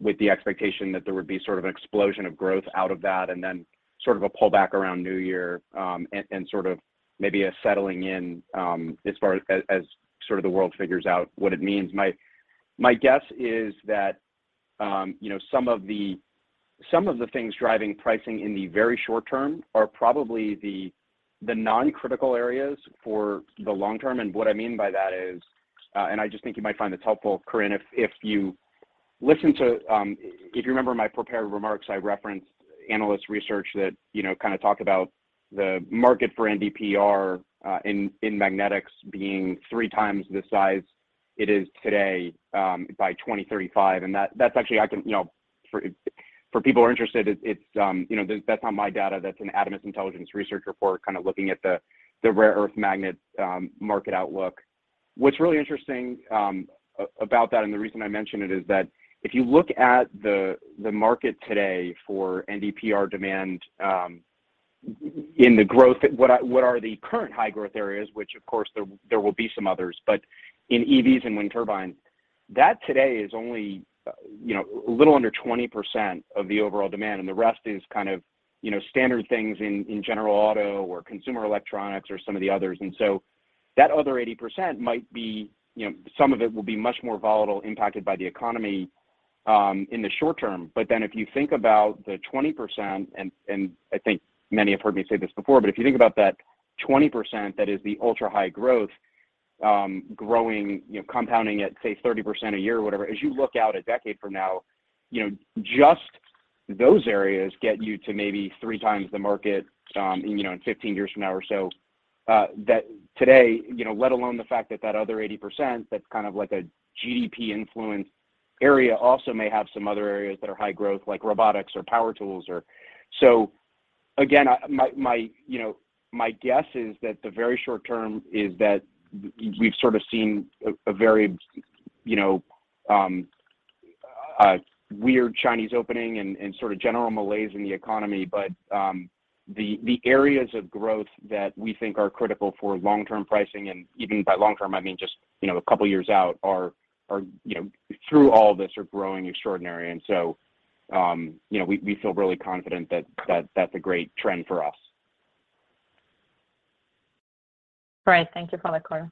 Speaker 3: with the expectation that there would be sort of an explosion of growth out of that, and then sort of a pullback around New Year. And sort of maybe a settling in, as far as sort of the world figures out what it means. My guess is that, you know, some of the things driving pricing in the very short term are probably the non-critical areas for the long term. What I mean by that is, and I just think you might find this helpful, Corinne, if you listen to, if you remember my prepared remarks, I referenced analyst research that, you know, kind of talked about the market for NdPr, in magnetics being 3x the size it is today, by 2035. That's actually I can, you know, for people who are interested, it's, you know, that's not my data. That's an Adamas Intelligence research report kind of looking at the rare earth magnet market outlook. What's really interesting about that, the reason I mention it, is that if you look at the market today for NdPr demand, in the growth, what are the current high growth areas, which of course there will be some others, but in EVs and wind turbines. That today is only, you know, a little under 20% of the overall demand, the rest is kind of, you know, standard things in general auto or consumer electronics or some of the others. That other 80% might be, you know, some of it will be much more volatile impacted by the economy in the short term. If you think about the 20% and I think many have heard me say this before, if you think about that 20%, that is the ultra-high growth, growing, you know, compounding at say 30% a year or whatever. As you look out a decade from now, you know, just those areas get you to maybe 3x the market, you know, in 15 years from now or so. That today, you know, let alone the fact that that other 80%, that's kind of like a GDP influence area also may have some other areas that are high growth like robotics or power tools or... Again, my, you know, my guess is that the very short term is that we've sort of seen a very, you know, a weird Chinese opening and sort of general malaise in the economy. The areas of growth that we think are critical for long-term pricing, and even by long term, I mean just, you know, a couple of years out are, you know, through all this are growing extraordinary. We feel really confident that that's a great trend for us.
Speaker 8: Great. Thank you for the color.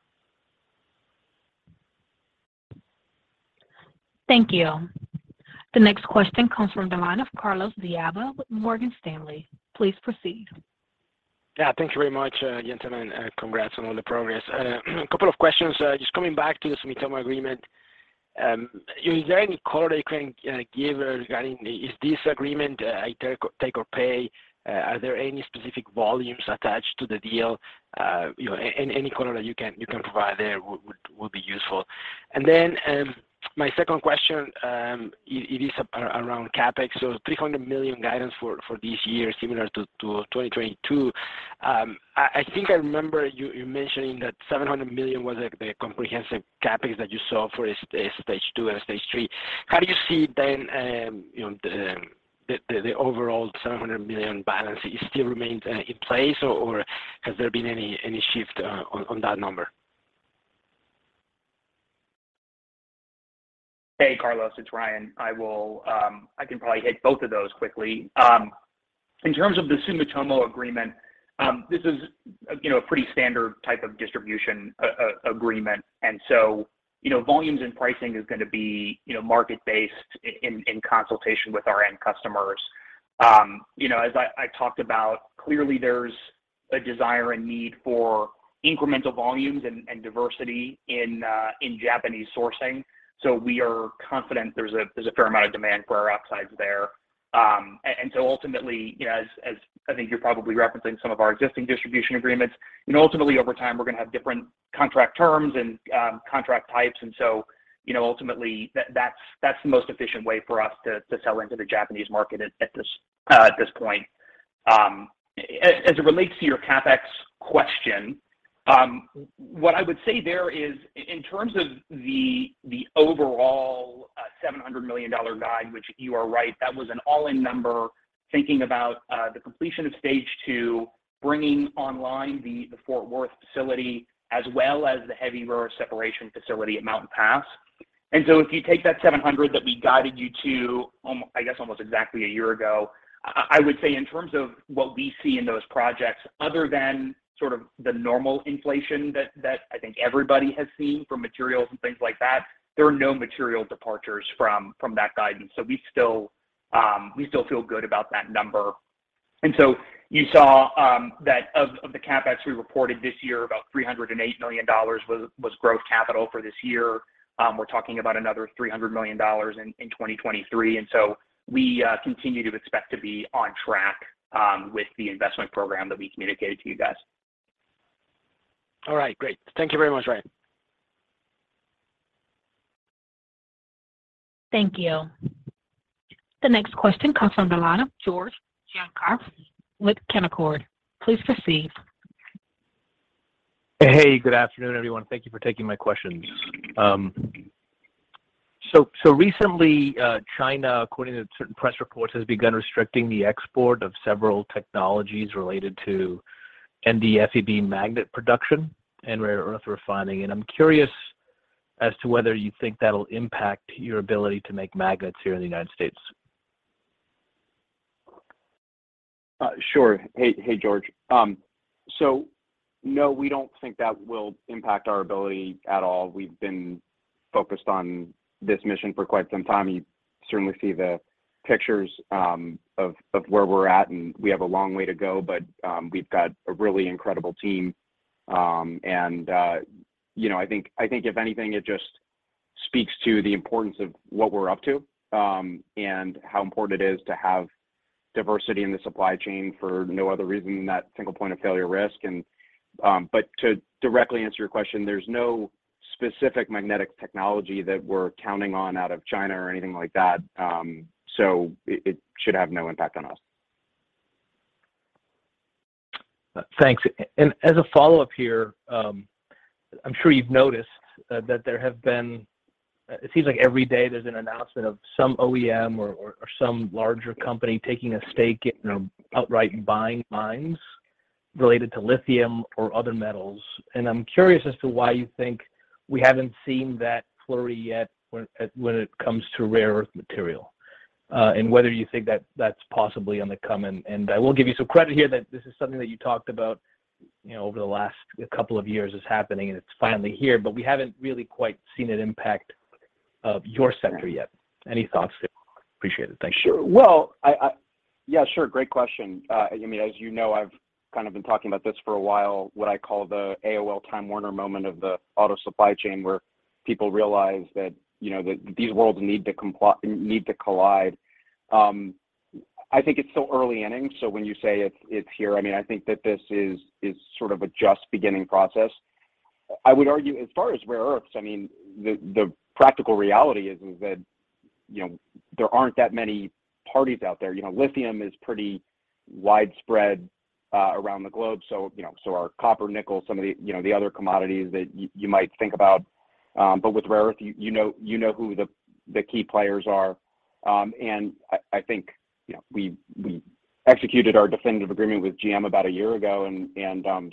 Speaker 1: Thank you. The next question comes from the line of Carlos de Alba with Morgan Stanley. Please proceed.
Speaker 9: Yeah, thank you very much, gentlemen. Congrats on all the progress. A couple of questions. Just coming back to the Sumitomo agreement. Is there any color you can give regarding is this agreement either take or pay? Are there any specific volumes attached to the deal? You know, any color that you can provide there would be useful. My second question, it is around CapEx. $300 million guidance for this year similar to 2022. I think I remember you mentioning that $700 million was the comprehensive CapEx that you saw for Stage II and Stage III. How do you see, you know, the- The overall $700 million balance, it still remains in place or has there been any shift on that number?
Speaker 4: Hey, Carlos, it's Ryan. I will, I can probably hit both of those quickly. In terms of the Sumitomo agreement, this is, you know, a pretty standard type of distribution agreement. You know, volumes and pricing is gonna be, you know, market based in consultation with our end customers. You know, as I talked about, clearly there's a desire and need for incremental volumes and diversity in Japanese sourcing. We are confident there's a fair amount of demand for our oxides there. Ultimately, you know, as I think you're probably referencing some of our existing distribution agreements, you know, ultimately over time, we're gonna have different contract terms and contract types. You know, ultimately that's the most efficient way for us to sell into the Japanese market at this point. As it relates to your CapEx question, what I would say there is in terms of the overall $700 million guide, which you are right, that was an all-in number thinking about the completion of Stage II, bringing online the Fort Worth facility, as well as the heavy rare separation facility at Mountain Pass. If you take that $700 that we guided you to almost exactly a year ago, I would say in terms of what we see in those projects, other than sort of the normal inflation that I think everybody has seen from materials and things like that, there are no material departures from that guidance. We still feel good about that number. You saw that of the CapEx we reported this year, about $308 million was growth capital for this year. We're talking about another $300 million in 2023. We continue to expect to be on track with the investment program that we communicated to you guys.
Speaker 9: All right, great. Thank you very much, Ryan.
Speaker 1: Thank you. The next question comes from the line of George Gianarikas with Canaccord. Please proceed.
Speaker 10: Hey, good afternoon, everyone. Thank you for taking my questions. So recently, China, according to certain press reports, has begun restricting the export of several technologies related to NdFeB magnet production and rare earth refining. I'm curious as to whether you think that'll impact your ability to make magnets here in the United States.
Speaker 3: Sure. Hey, hey, George. No, we don't think that will impact our ability at all. We've been focused on this mission for quite some time. You certainly see the pictures, of where we're at, and we have a long way to go, but, we've got a really incredible team. You know, I think, I think if anything, it just speaks to the importance of what we're up to, and how important it is to have diversity in the supply chain for no other reason than that single point of failure risk. But to directly answer your question, there's no specific magnetic technology that we're counting on out of China or anything like that. It, it should have no impact on us.
Speaker 10: Thanks. As a follow-up here, I'm sure you've noticed that there have been... It seems like every day there's an announcement of some OEM or some larger company taking a stake in, you know, outright buying mines related to lithium or other metals. I'm curious as to why you think we haven't seen that flurry yet when it comes to rare earth material. Whether you think that that's possibly on the come, I will give you some credit here that this is something that you talked about, you know, over the last couple of years is happening and it's finally here, but we haven't really quite seen an impact of your center yet. Any thoughts? Appreciate it. Thanks.
Speaker 3: Sure. Well, Yeah, sure. Great question. I mean, as you know, I've kind of been talking about this for a while, what I call the AOL Time Warner moment of the auto supply chain, where people realize that, you know, that these worlds need to collide. I think it's still early innings, so when you say it's here, I mean, I think that this is sort of a just beginning process. I would argue as far as rare earths, I mean, the practical reality is that, you know, there aren't that many parties out there. You know, lithium is pretty widespread, around the globe, so, you know, so are copper, nickel, some of the, you know, the other commodities that you might think about. With rare earth, you know, you know who the key players are. I think, you know, we executed our definitive agreement with GM about a year ago.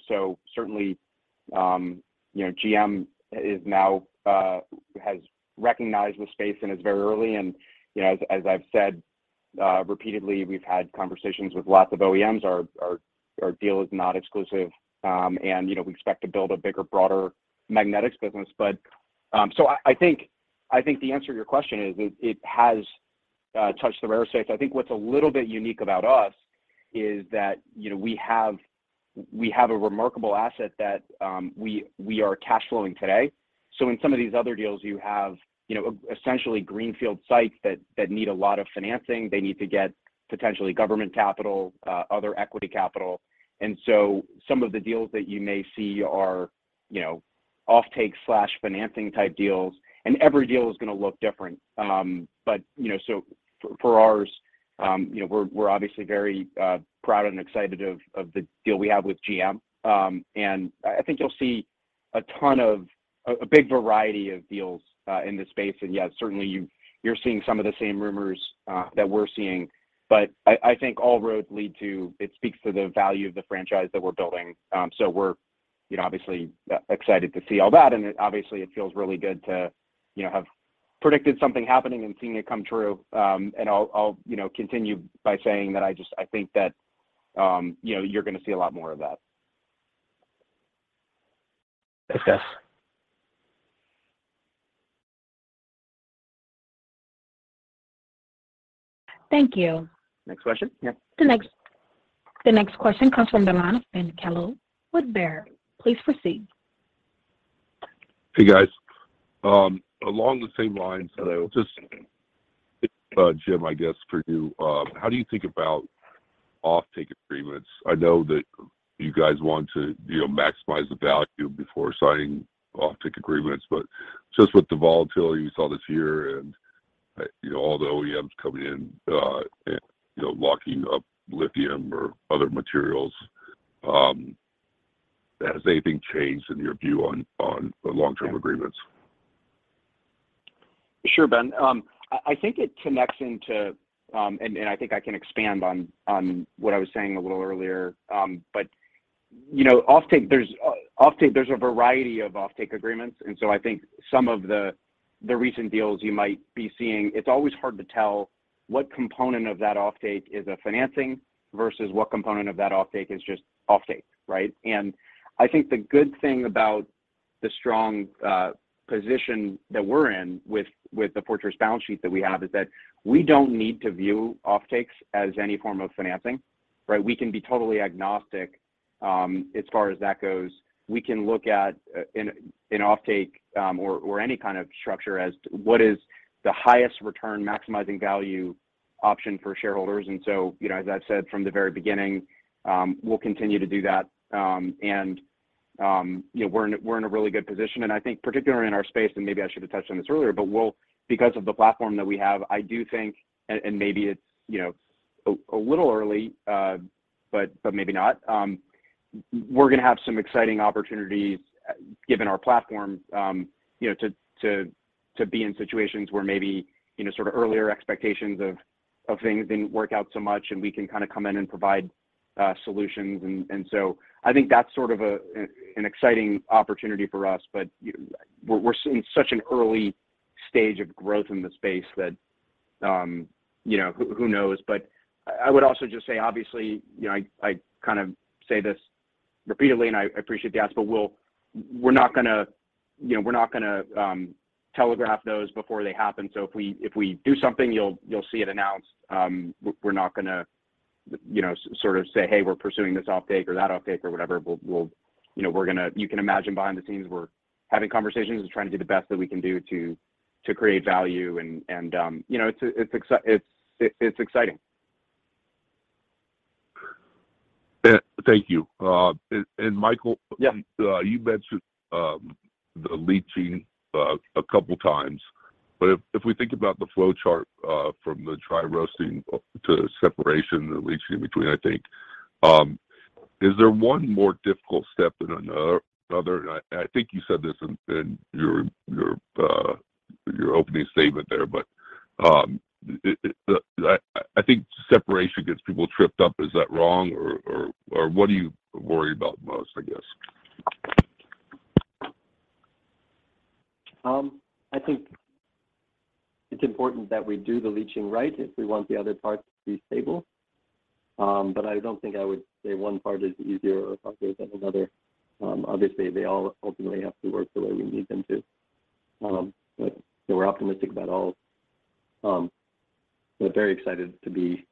Speaker 3: So certainly, you know, GM is now has recognized the space and is very early. You know, as I've said repeatedly, we've had conversations with lots of OEMs. Our deal is not exclusive. You know, we expect to build a bigger, broader magnetics business. So I think the answer to your question is it has touched the rare earth space. I think what's a little bit unique about us is that, you know, we have a remarkable asset that we are cash flowing today. In some of these other deals, you have, you know, essentially greenfield sites that need a lot of financing. They need to get potentially government capital, other equity capital. Some of the deals that you may see are, you know, offtake/financing type deals, and every deal is gonna look different. You know, so for ours, you know, we're obviously very proud and excited of the deal we have with GM. I think you'll see a big variety of deals in this space. Yeah, certainly you're seeing some of the same rumors that we're seeing. I think all roads lead to it speaks to the value of the franchise that we're building. We're, you know, obviously excited to see all that. Obviously, it feels really good to, you know, have predicted something happening and seeing it come true. I'll, you know, continue by saying that I think that, you know, you're gonna see a lot more of that.
Speaker 10: Thanks, guys.
Speaker 1: Thank you.
Speaker 3: Next question. Yeah.
Speaker 1: The next question comes from Ben Kallo with Baird. Please proceed.
Speaker 11: Hey, guys. Along the same lines, just Jim, I guess, for you, how do you think about offtake agreements? I know that you guys want to, you know, maximize the value before signing offtake agreements. Just with the volatility you saw this year and, you know, all the OEMs coming in, you know, locking up lithium or other materials, has anything changed in your view on the long-term agreements?
Speaker 3: Sure, Ben. I think it connects into. I think I can expand on what I was saying a little earlier. You know, offtake, there's a variety of offtake agreements. I think some of the recent deals you might be seeing, it's always hard to tell what component of that offtake is a financing versus what component of that offtake is just offtake, right? I think the good thing about the strong position that we're in with the Fortress balance sheet that we have is that we don't need to view offtakes as any form of financing, right? We can be totally agnostic as far as that goes. We can look at an offtake, or any kind of structure as what is the highest return maximizing value option for shareholders. You know, as I've said from the very beginning, we'll continue to do that. You know, we're in a really good position. I think particularly in our space, and maybe I should have touched on this earlier, but because of the platform that we have, I do think, and maybe it's, you know, a little early, but maybe not, we're gonna have some exciting opportunities given our platform, you know, to be in situations where maybe, you know, sort of earlier expectations of things didn't work out so much, and we can kinda come in and provide solutions. I think that's sort of an exciting opportunity for us. we're so in such an early stage of growth in the space that, you know, who knows? I would also just say, obviously, you know, I kind of say this repeatedly, and I appreciate the ask, we're not gonna, you know, we're not gonna telegraph those before they happen. If we do something, you'll see it announced. we're not gonna, you know, sort of say, "Hey, we're pursuing this offtake or that offtake," or whatever. We'll, you know, we're gonna you can imagine behind the scenes, we're having conversations and trying to do the best that we can do to create value. you know, it's exciting.
Speaker 11: Thank you. And Michael?
Speaker 5: Yeah.
Speaker 11: You mentioned the leaching a couple times. If we think about the flowchart from the dry roasting to separation and leaching between, I think, is there one more difficult step than another? I think you said this in your opening statement there. I think separation gets people tripped up. Is that wrong? Or what do you worry about most, I guess?
Speaker 5: I think it's important that we do the leaching right if we want the other parts to be stable. I don't think I would say one part is easier or harder than another. Obviously, they all ultimately have to work the way we need them to. We're optimistic about all of them. We're very excited to be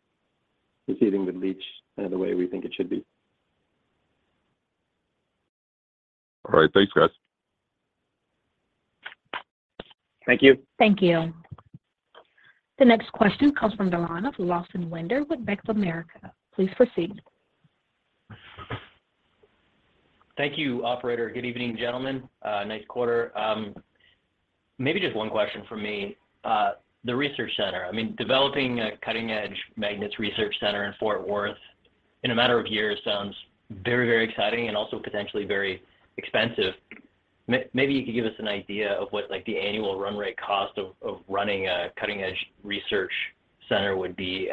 Speaker 5: receiving the leach the way we think it should be.
Speaker 11: All right. Thanks, guys.
Speaker 3: Thank you.
Speaker 1: Thank you. The next question comes from the line of Lawson Winder with Bank of America. Please proceed.
Speaker 12: Thank you, operator. Good evening, gentlemen. Nice quarter. Maybe just one question from me. The research center. I mean, developing a cutting-edge magnets research center in Fort Worth in a matter of years sounds very, very exciting and also potentially very expensive. Maybe you could give us an idea of what, like, the annual run rate cost of running a cutting-edge research center would be.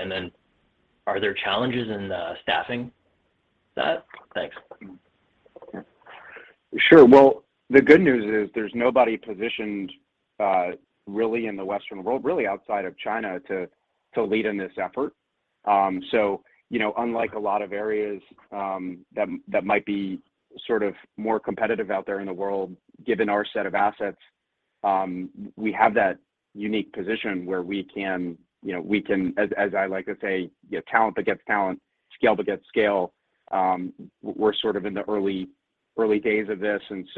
Speaker 12: Are there challenges in staffing that? Thanks.
Speaker 3: Sure. Well, the good news is there's nobody positioned really in the Western world, really outside of China to lead in this effort. You know, unlike a lot of areas that might be sort of more competitive out there in the world, given our set of assets, we have that unique position where we can, you know, we can, as I like to say, talent begets talent, scale begets scale. We're sort of in the early days of this, it's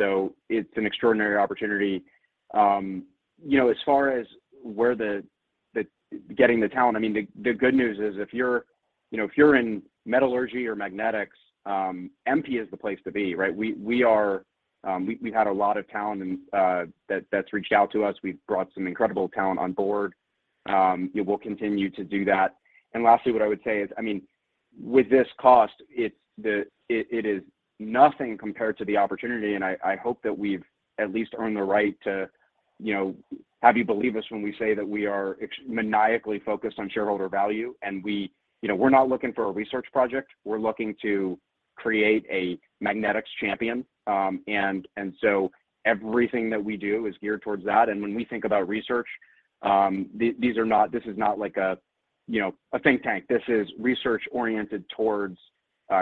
Speaker 3: an extraordinary opportunity. You know, as far as getting the talent, I mean, the good news is if you're, you know, if you're in metallurgy or magnetics, MP is the place to be, right? We had a lot of talent and that's reached out to us. We've brought some incredible talent on board. We will continue to do that. Lastly, what I would say is, I mean, with this cost, it is nothing compared to the opportunity. I hope that we've at least earned the right to, you know, have you believe us when we say that we are ex-maniacally focused on shareholder value. We, you know, we're not looking for a research project. We're looking to create a magnetics champion. Everything that we do is geared towards that. When we think about research, these are not, this is not like a, you know, a think tank. This is research oriented towards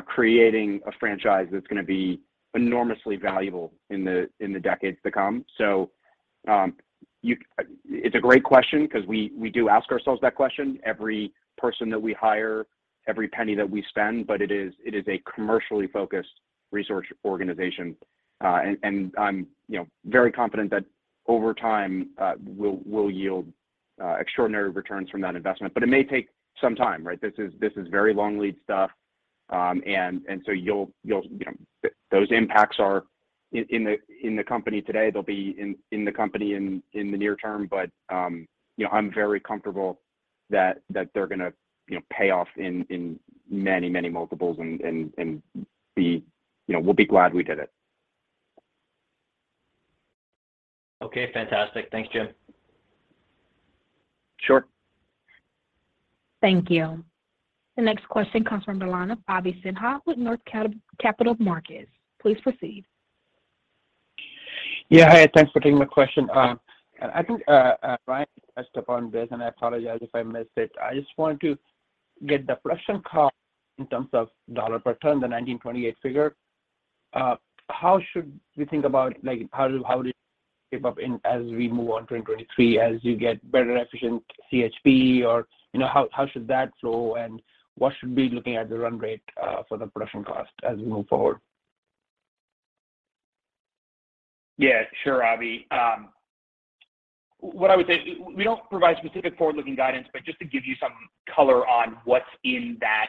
Speaker 3: creating a franchise that's gonna be enormously valuable in the, in the decades to come. It's a great question because we do ask ourselves that question every person that we hire, every penny that we spend. It is a commercially focused research organization. I'm, you know, very confident that over time, we'll yield extraordinary returns from that investment. It may take some time, right? This is very long lead stuff. You'll... You know, those impacts are in the company today. They'll be in the company in the near term. You know, I'm very comfortable that they're gonna, you know, pay off in many, many multiples and be... You know, we'll be glad we did it.
Speaker 12: Okay, fantastic. Thanks, Jim.
Speaker 3: Sure.
Speaker 1: Thank you. The next question comes from the line of Abhishek Sinha with Northland Capital Markets. Please proceed.
Speaker 13: Hi. Thanks for taking my question. I think Ryan touched upon this, and I apologize if I missed it. I just wanted to get the production cost in terms of $ per ton, the $1,928 figure. How should we think about, like, how does it shape up in as we move on to 2023 as you get better efficient CHP or, you know, how should that flow, and what should we be looking at the run rate for the production cost as we move forward?
Speaker 4: Yeah, sure, Abhi. What I would say, we don't provide specific forward-looking guidance, but just to give you some color on what's in that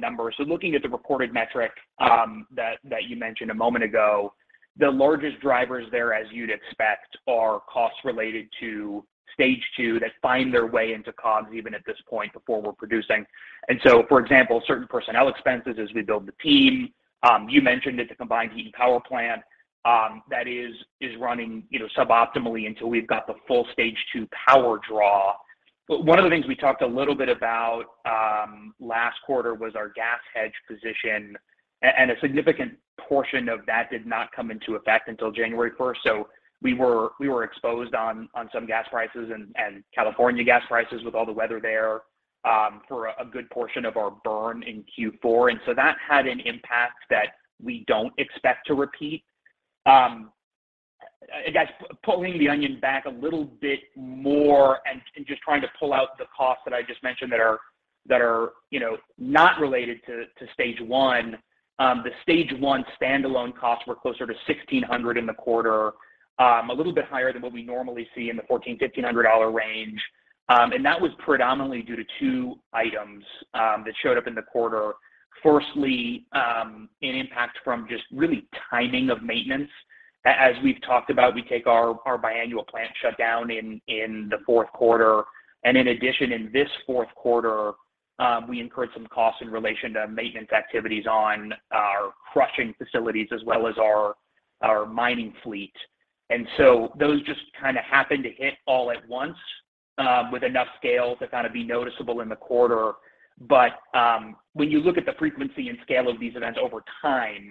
Speaker 4: number. Looking at the reported metric, that you mentioned a moment ago, the largest drivers there, as you'd expect, are costs related to stage two that find their way into COGS even at this point before we're producing. For example, certain personnel expenses as we build the team, you mentioned it, the combined heat and power plant, that is running, you know, suboptimally until we've got the full stage two power draw. One of the things we talked a little bit about, last quarter was our gas hedge position, and a significant portion of that did not come into effect until January first. We were exposed on some gas prices and California gas prices with all the weather there, for a good portion of our burn in Q4. That had an impact that we don't expect to repeat. I guess pulling the onion back a little bit more and just trying to pull out the costs that I just mentioned that are, you know, not related to stage one. The stage one stand-alone costs were closer to $1,600 in the quarter, a little bit higher than what we normally see in the $1,400-$1,500 range. That was predominantly due to two items that showed up in the quarter. Firstly, an impact from just really timing of maintenance. As we've talked about, we take our biannual plant shutdown in the fourth quarter. In addition, in this fourth quarter, we incurred some costs in relation to maintenance activities on our crushing facilities as well as our mining fleet. Those just kinda happened to hit all at once, with enough scale to kinda be noticeable in the quarter. When you look at the frequency and scale of these events over time,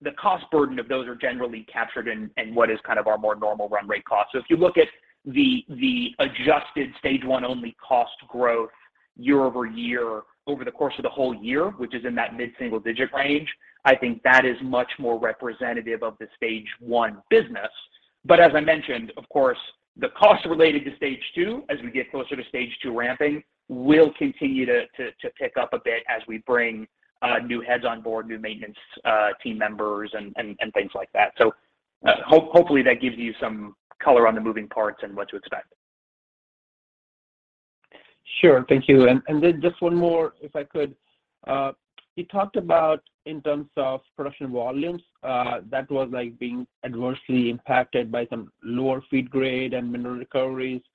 Speaker 4: the cost burden of those are generally captured in what is kind of our more normal run rate cost. If you look at the adjusted stage one only cost growth year-over-year over the course of the whole year, which is in that mid-single digit range, I think that is much more representative of the stage one business. As I mentioned, of course, the costs related to Stage II, as we get closer to Stage II ramping, will continue to tick up a bit as we bring new heads on board, new maintenance team members and things like that. Hopefully, that gives you some color on the moving parts and what to expect.
Speaker 13: Sure. Thank you. Then just one more, if I could. You talked about in terms of production volumes, that was, like, being adversely impacted by some lower feed grade and mineral recoveries. I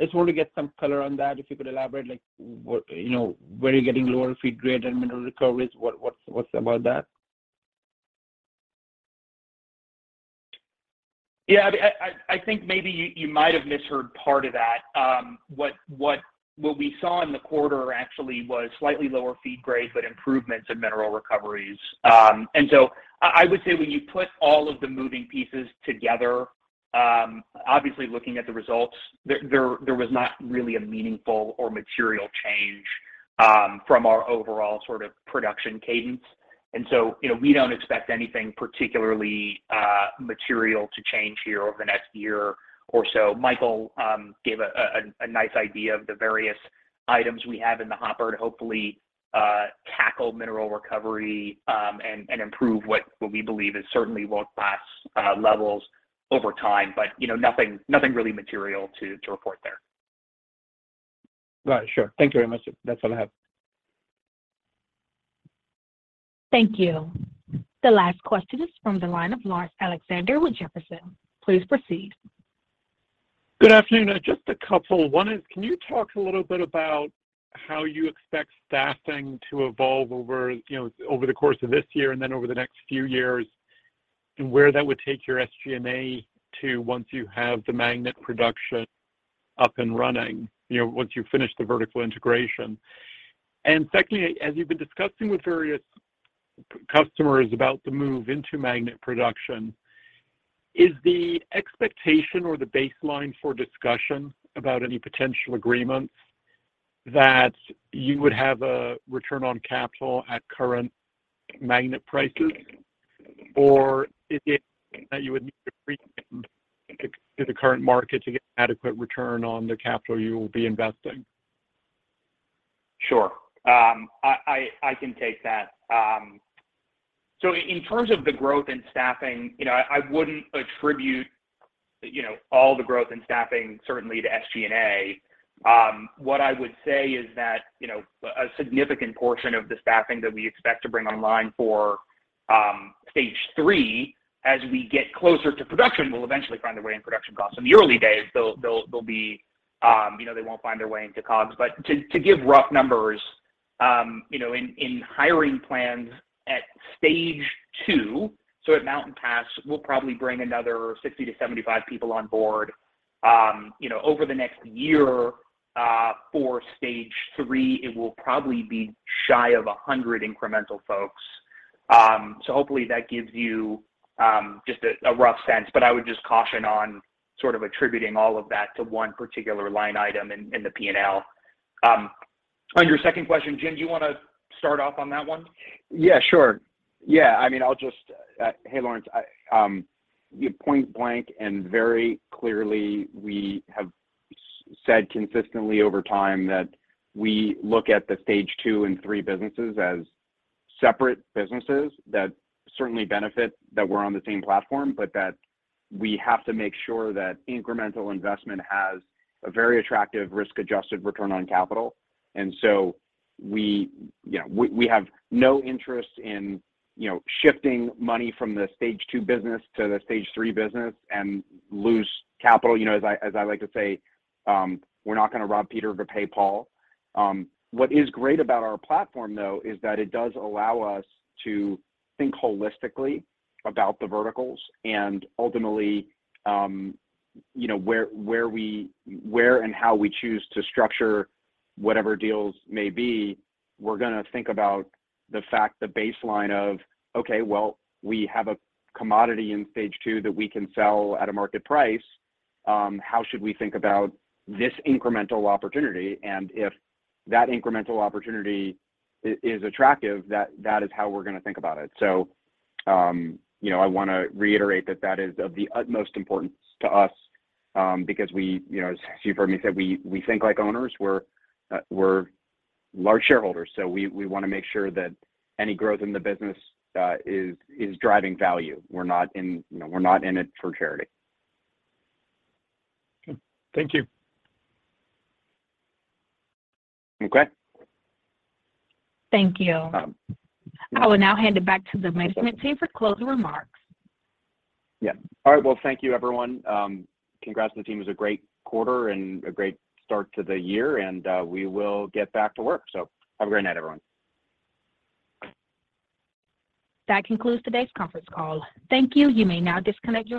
Speaker 13: just want to get some color on that, if you could elaborate, like, what, you know, where are you getting lower feed grade and mineral recoveries? What's about that?
Speaker 4: Yeah. I mean, I, I think maybe you might have misheard part of that. What, what we saw in the quarter actually was slightly lower feed grades, but improvements in mineral recoveries. I would say when you put all of the moving pieces together, obviously looking at the results, there, there was not really a meaningful or material change from our overall sort of production cadence. You know, we don't expect anything particularly material to change here over the next year or so. Michael gave a nice idea of the various items we have in the hopper to hopefully tackle mineral recovery and improve what we believe is certainly world-class levels over time. You know, nothing really material to report there.
Speaker 13: Got it. Sure. Thank you very much. That's all I have.
Speaker 1: Thank you. The last question is from the line of Laurence Alexander with Jefferies. Please proceed.
Speaker 14: Good afternoon. Just a couple. One is, can you talk a little bit about how you expect staffing to evolve over, you know, over the course of this year and then over the next few years, and where that would take your SG&A to once you have the magnet production up and running, you know, once you finish the vertical integration? Secondly, as you've been discussing with various customers about the move into magnet production, is the expectation or the baseline for discussion about any potential agreements that you would have a return on capital at current magnet prices? Or is it that you would need to pre-pay to the current market to get adequate return on the capital you will be investing?
Speaker 4: Sure. I can take that. So in terms of the growth in staffing, you know, I wouldn't attribute, you know, all the growth in staffing certainly to SG&A. What I would say is that, you know, a significant portion of the staffing that we expect to bring online for stage three as we get closer to production will eventually find their way in production costs. In the early days, they'll be, you know, they won't find their way into COGS. To give rough numbers, you know, in hiring plans at stage two, so at Mountain Pass, we'll probably bring another 60 to 75 people on board, you know, over the next year. For stage three, it will probably be shy of 100 incremental folks. Hopefully that gives you, just a rough sense. I would just caution on sort of attributing all of that to one particular line item in the P&L. On your second question, Jim, do you wanna start off on that one?
Speaker 3: Yeah, sure. Yeah. I mean, I'll just... Hey Laurence, I point blank and very clearly we have said consistently over time that we look at the stage two and three businesses as separate businesses that certainly benefit that we're on the same platform, but that we have to make sure that incremental investment has a very attractive risk-adjusted return on capital. We, you know, we have no interest in, you know, shifting money from the stage two business to the stage three business and lose capital. You know, as I like to say, we're not gonna rob Peter to pay Paul. What is great about our platform, though, is that it does allow us to think holistically about the verticals and ultimately, you know, where and how we choose to structure whatever deals may be, we're gonna think about the fact, the baseline of, okay, well, we have a commodity in stage two that we can sell at a market price, how should we think about this incremental opportunity? If that incremental opportunity is attractive, that is how we're gonna think about it. You know, I wanna reiterate that that is of the utmost importance to us, because we, you know, as Steve heard me say, we think like owners. We're large shareholders, so we wanna make sure that any growth in the business is driving value. We're not in, you know, we're not in it for charity.
Speaker 14: Okay. Thank you.
Speaker 3: Okay.
Speaker 1: Thank you.
Speaker 3: Uh.
Speaker 1: I will now hand it back to the management team for closing remarks.
Speaker 3: Yeah. All right. Well, thank you everyone. Congrats to the team. It was a great quarter and a great start to the year and, we will get back to work. Have a great night everyone.
Speaker 1: That concludes today's conference call. Thank you. You may now disconnect your lines.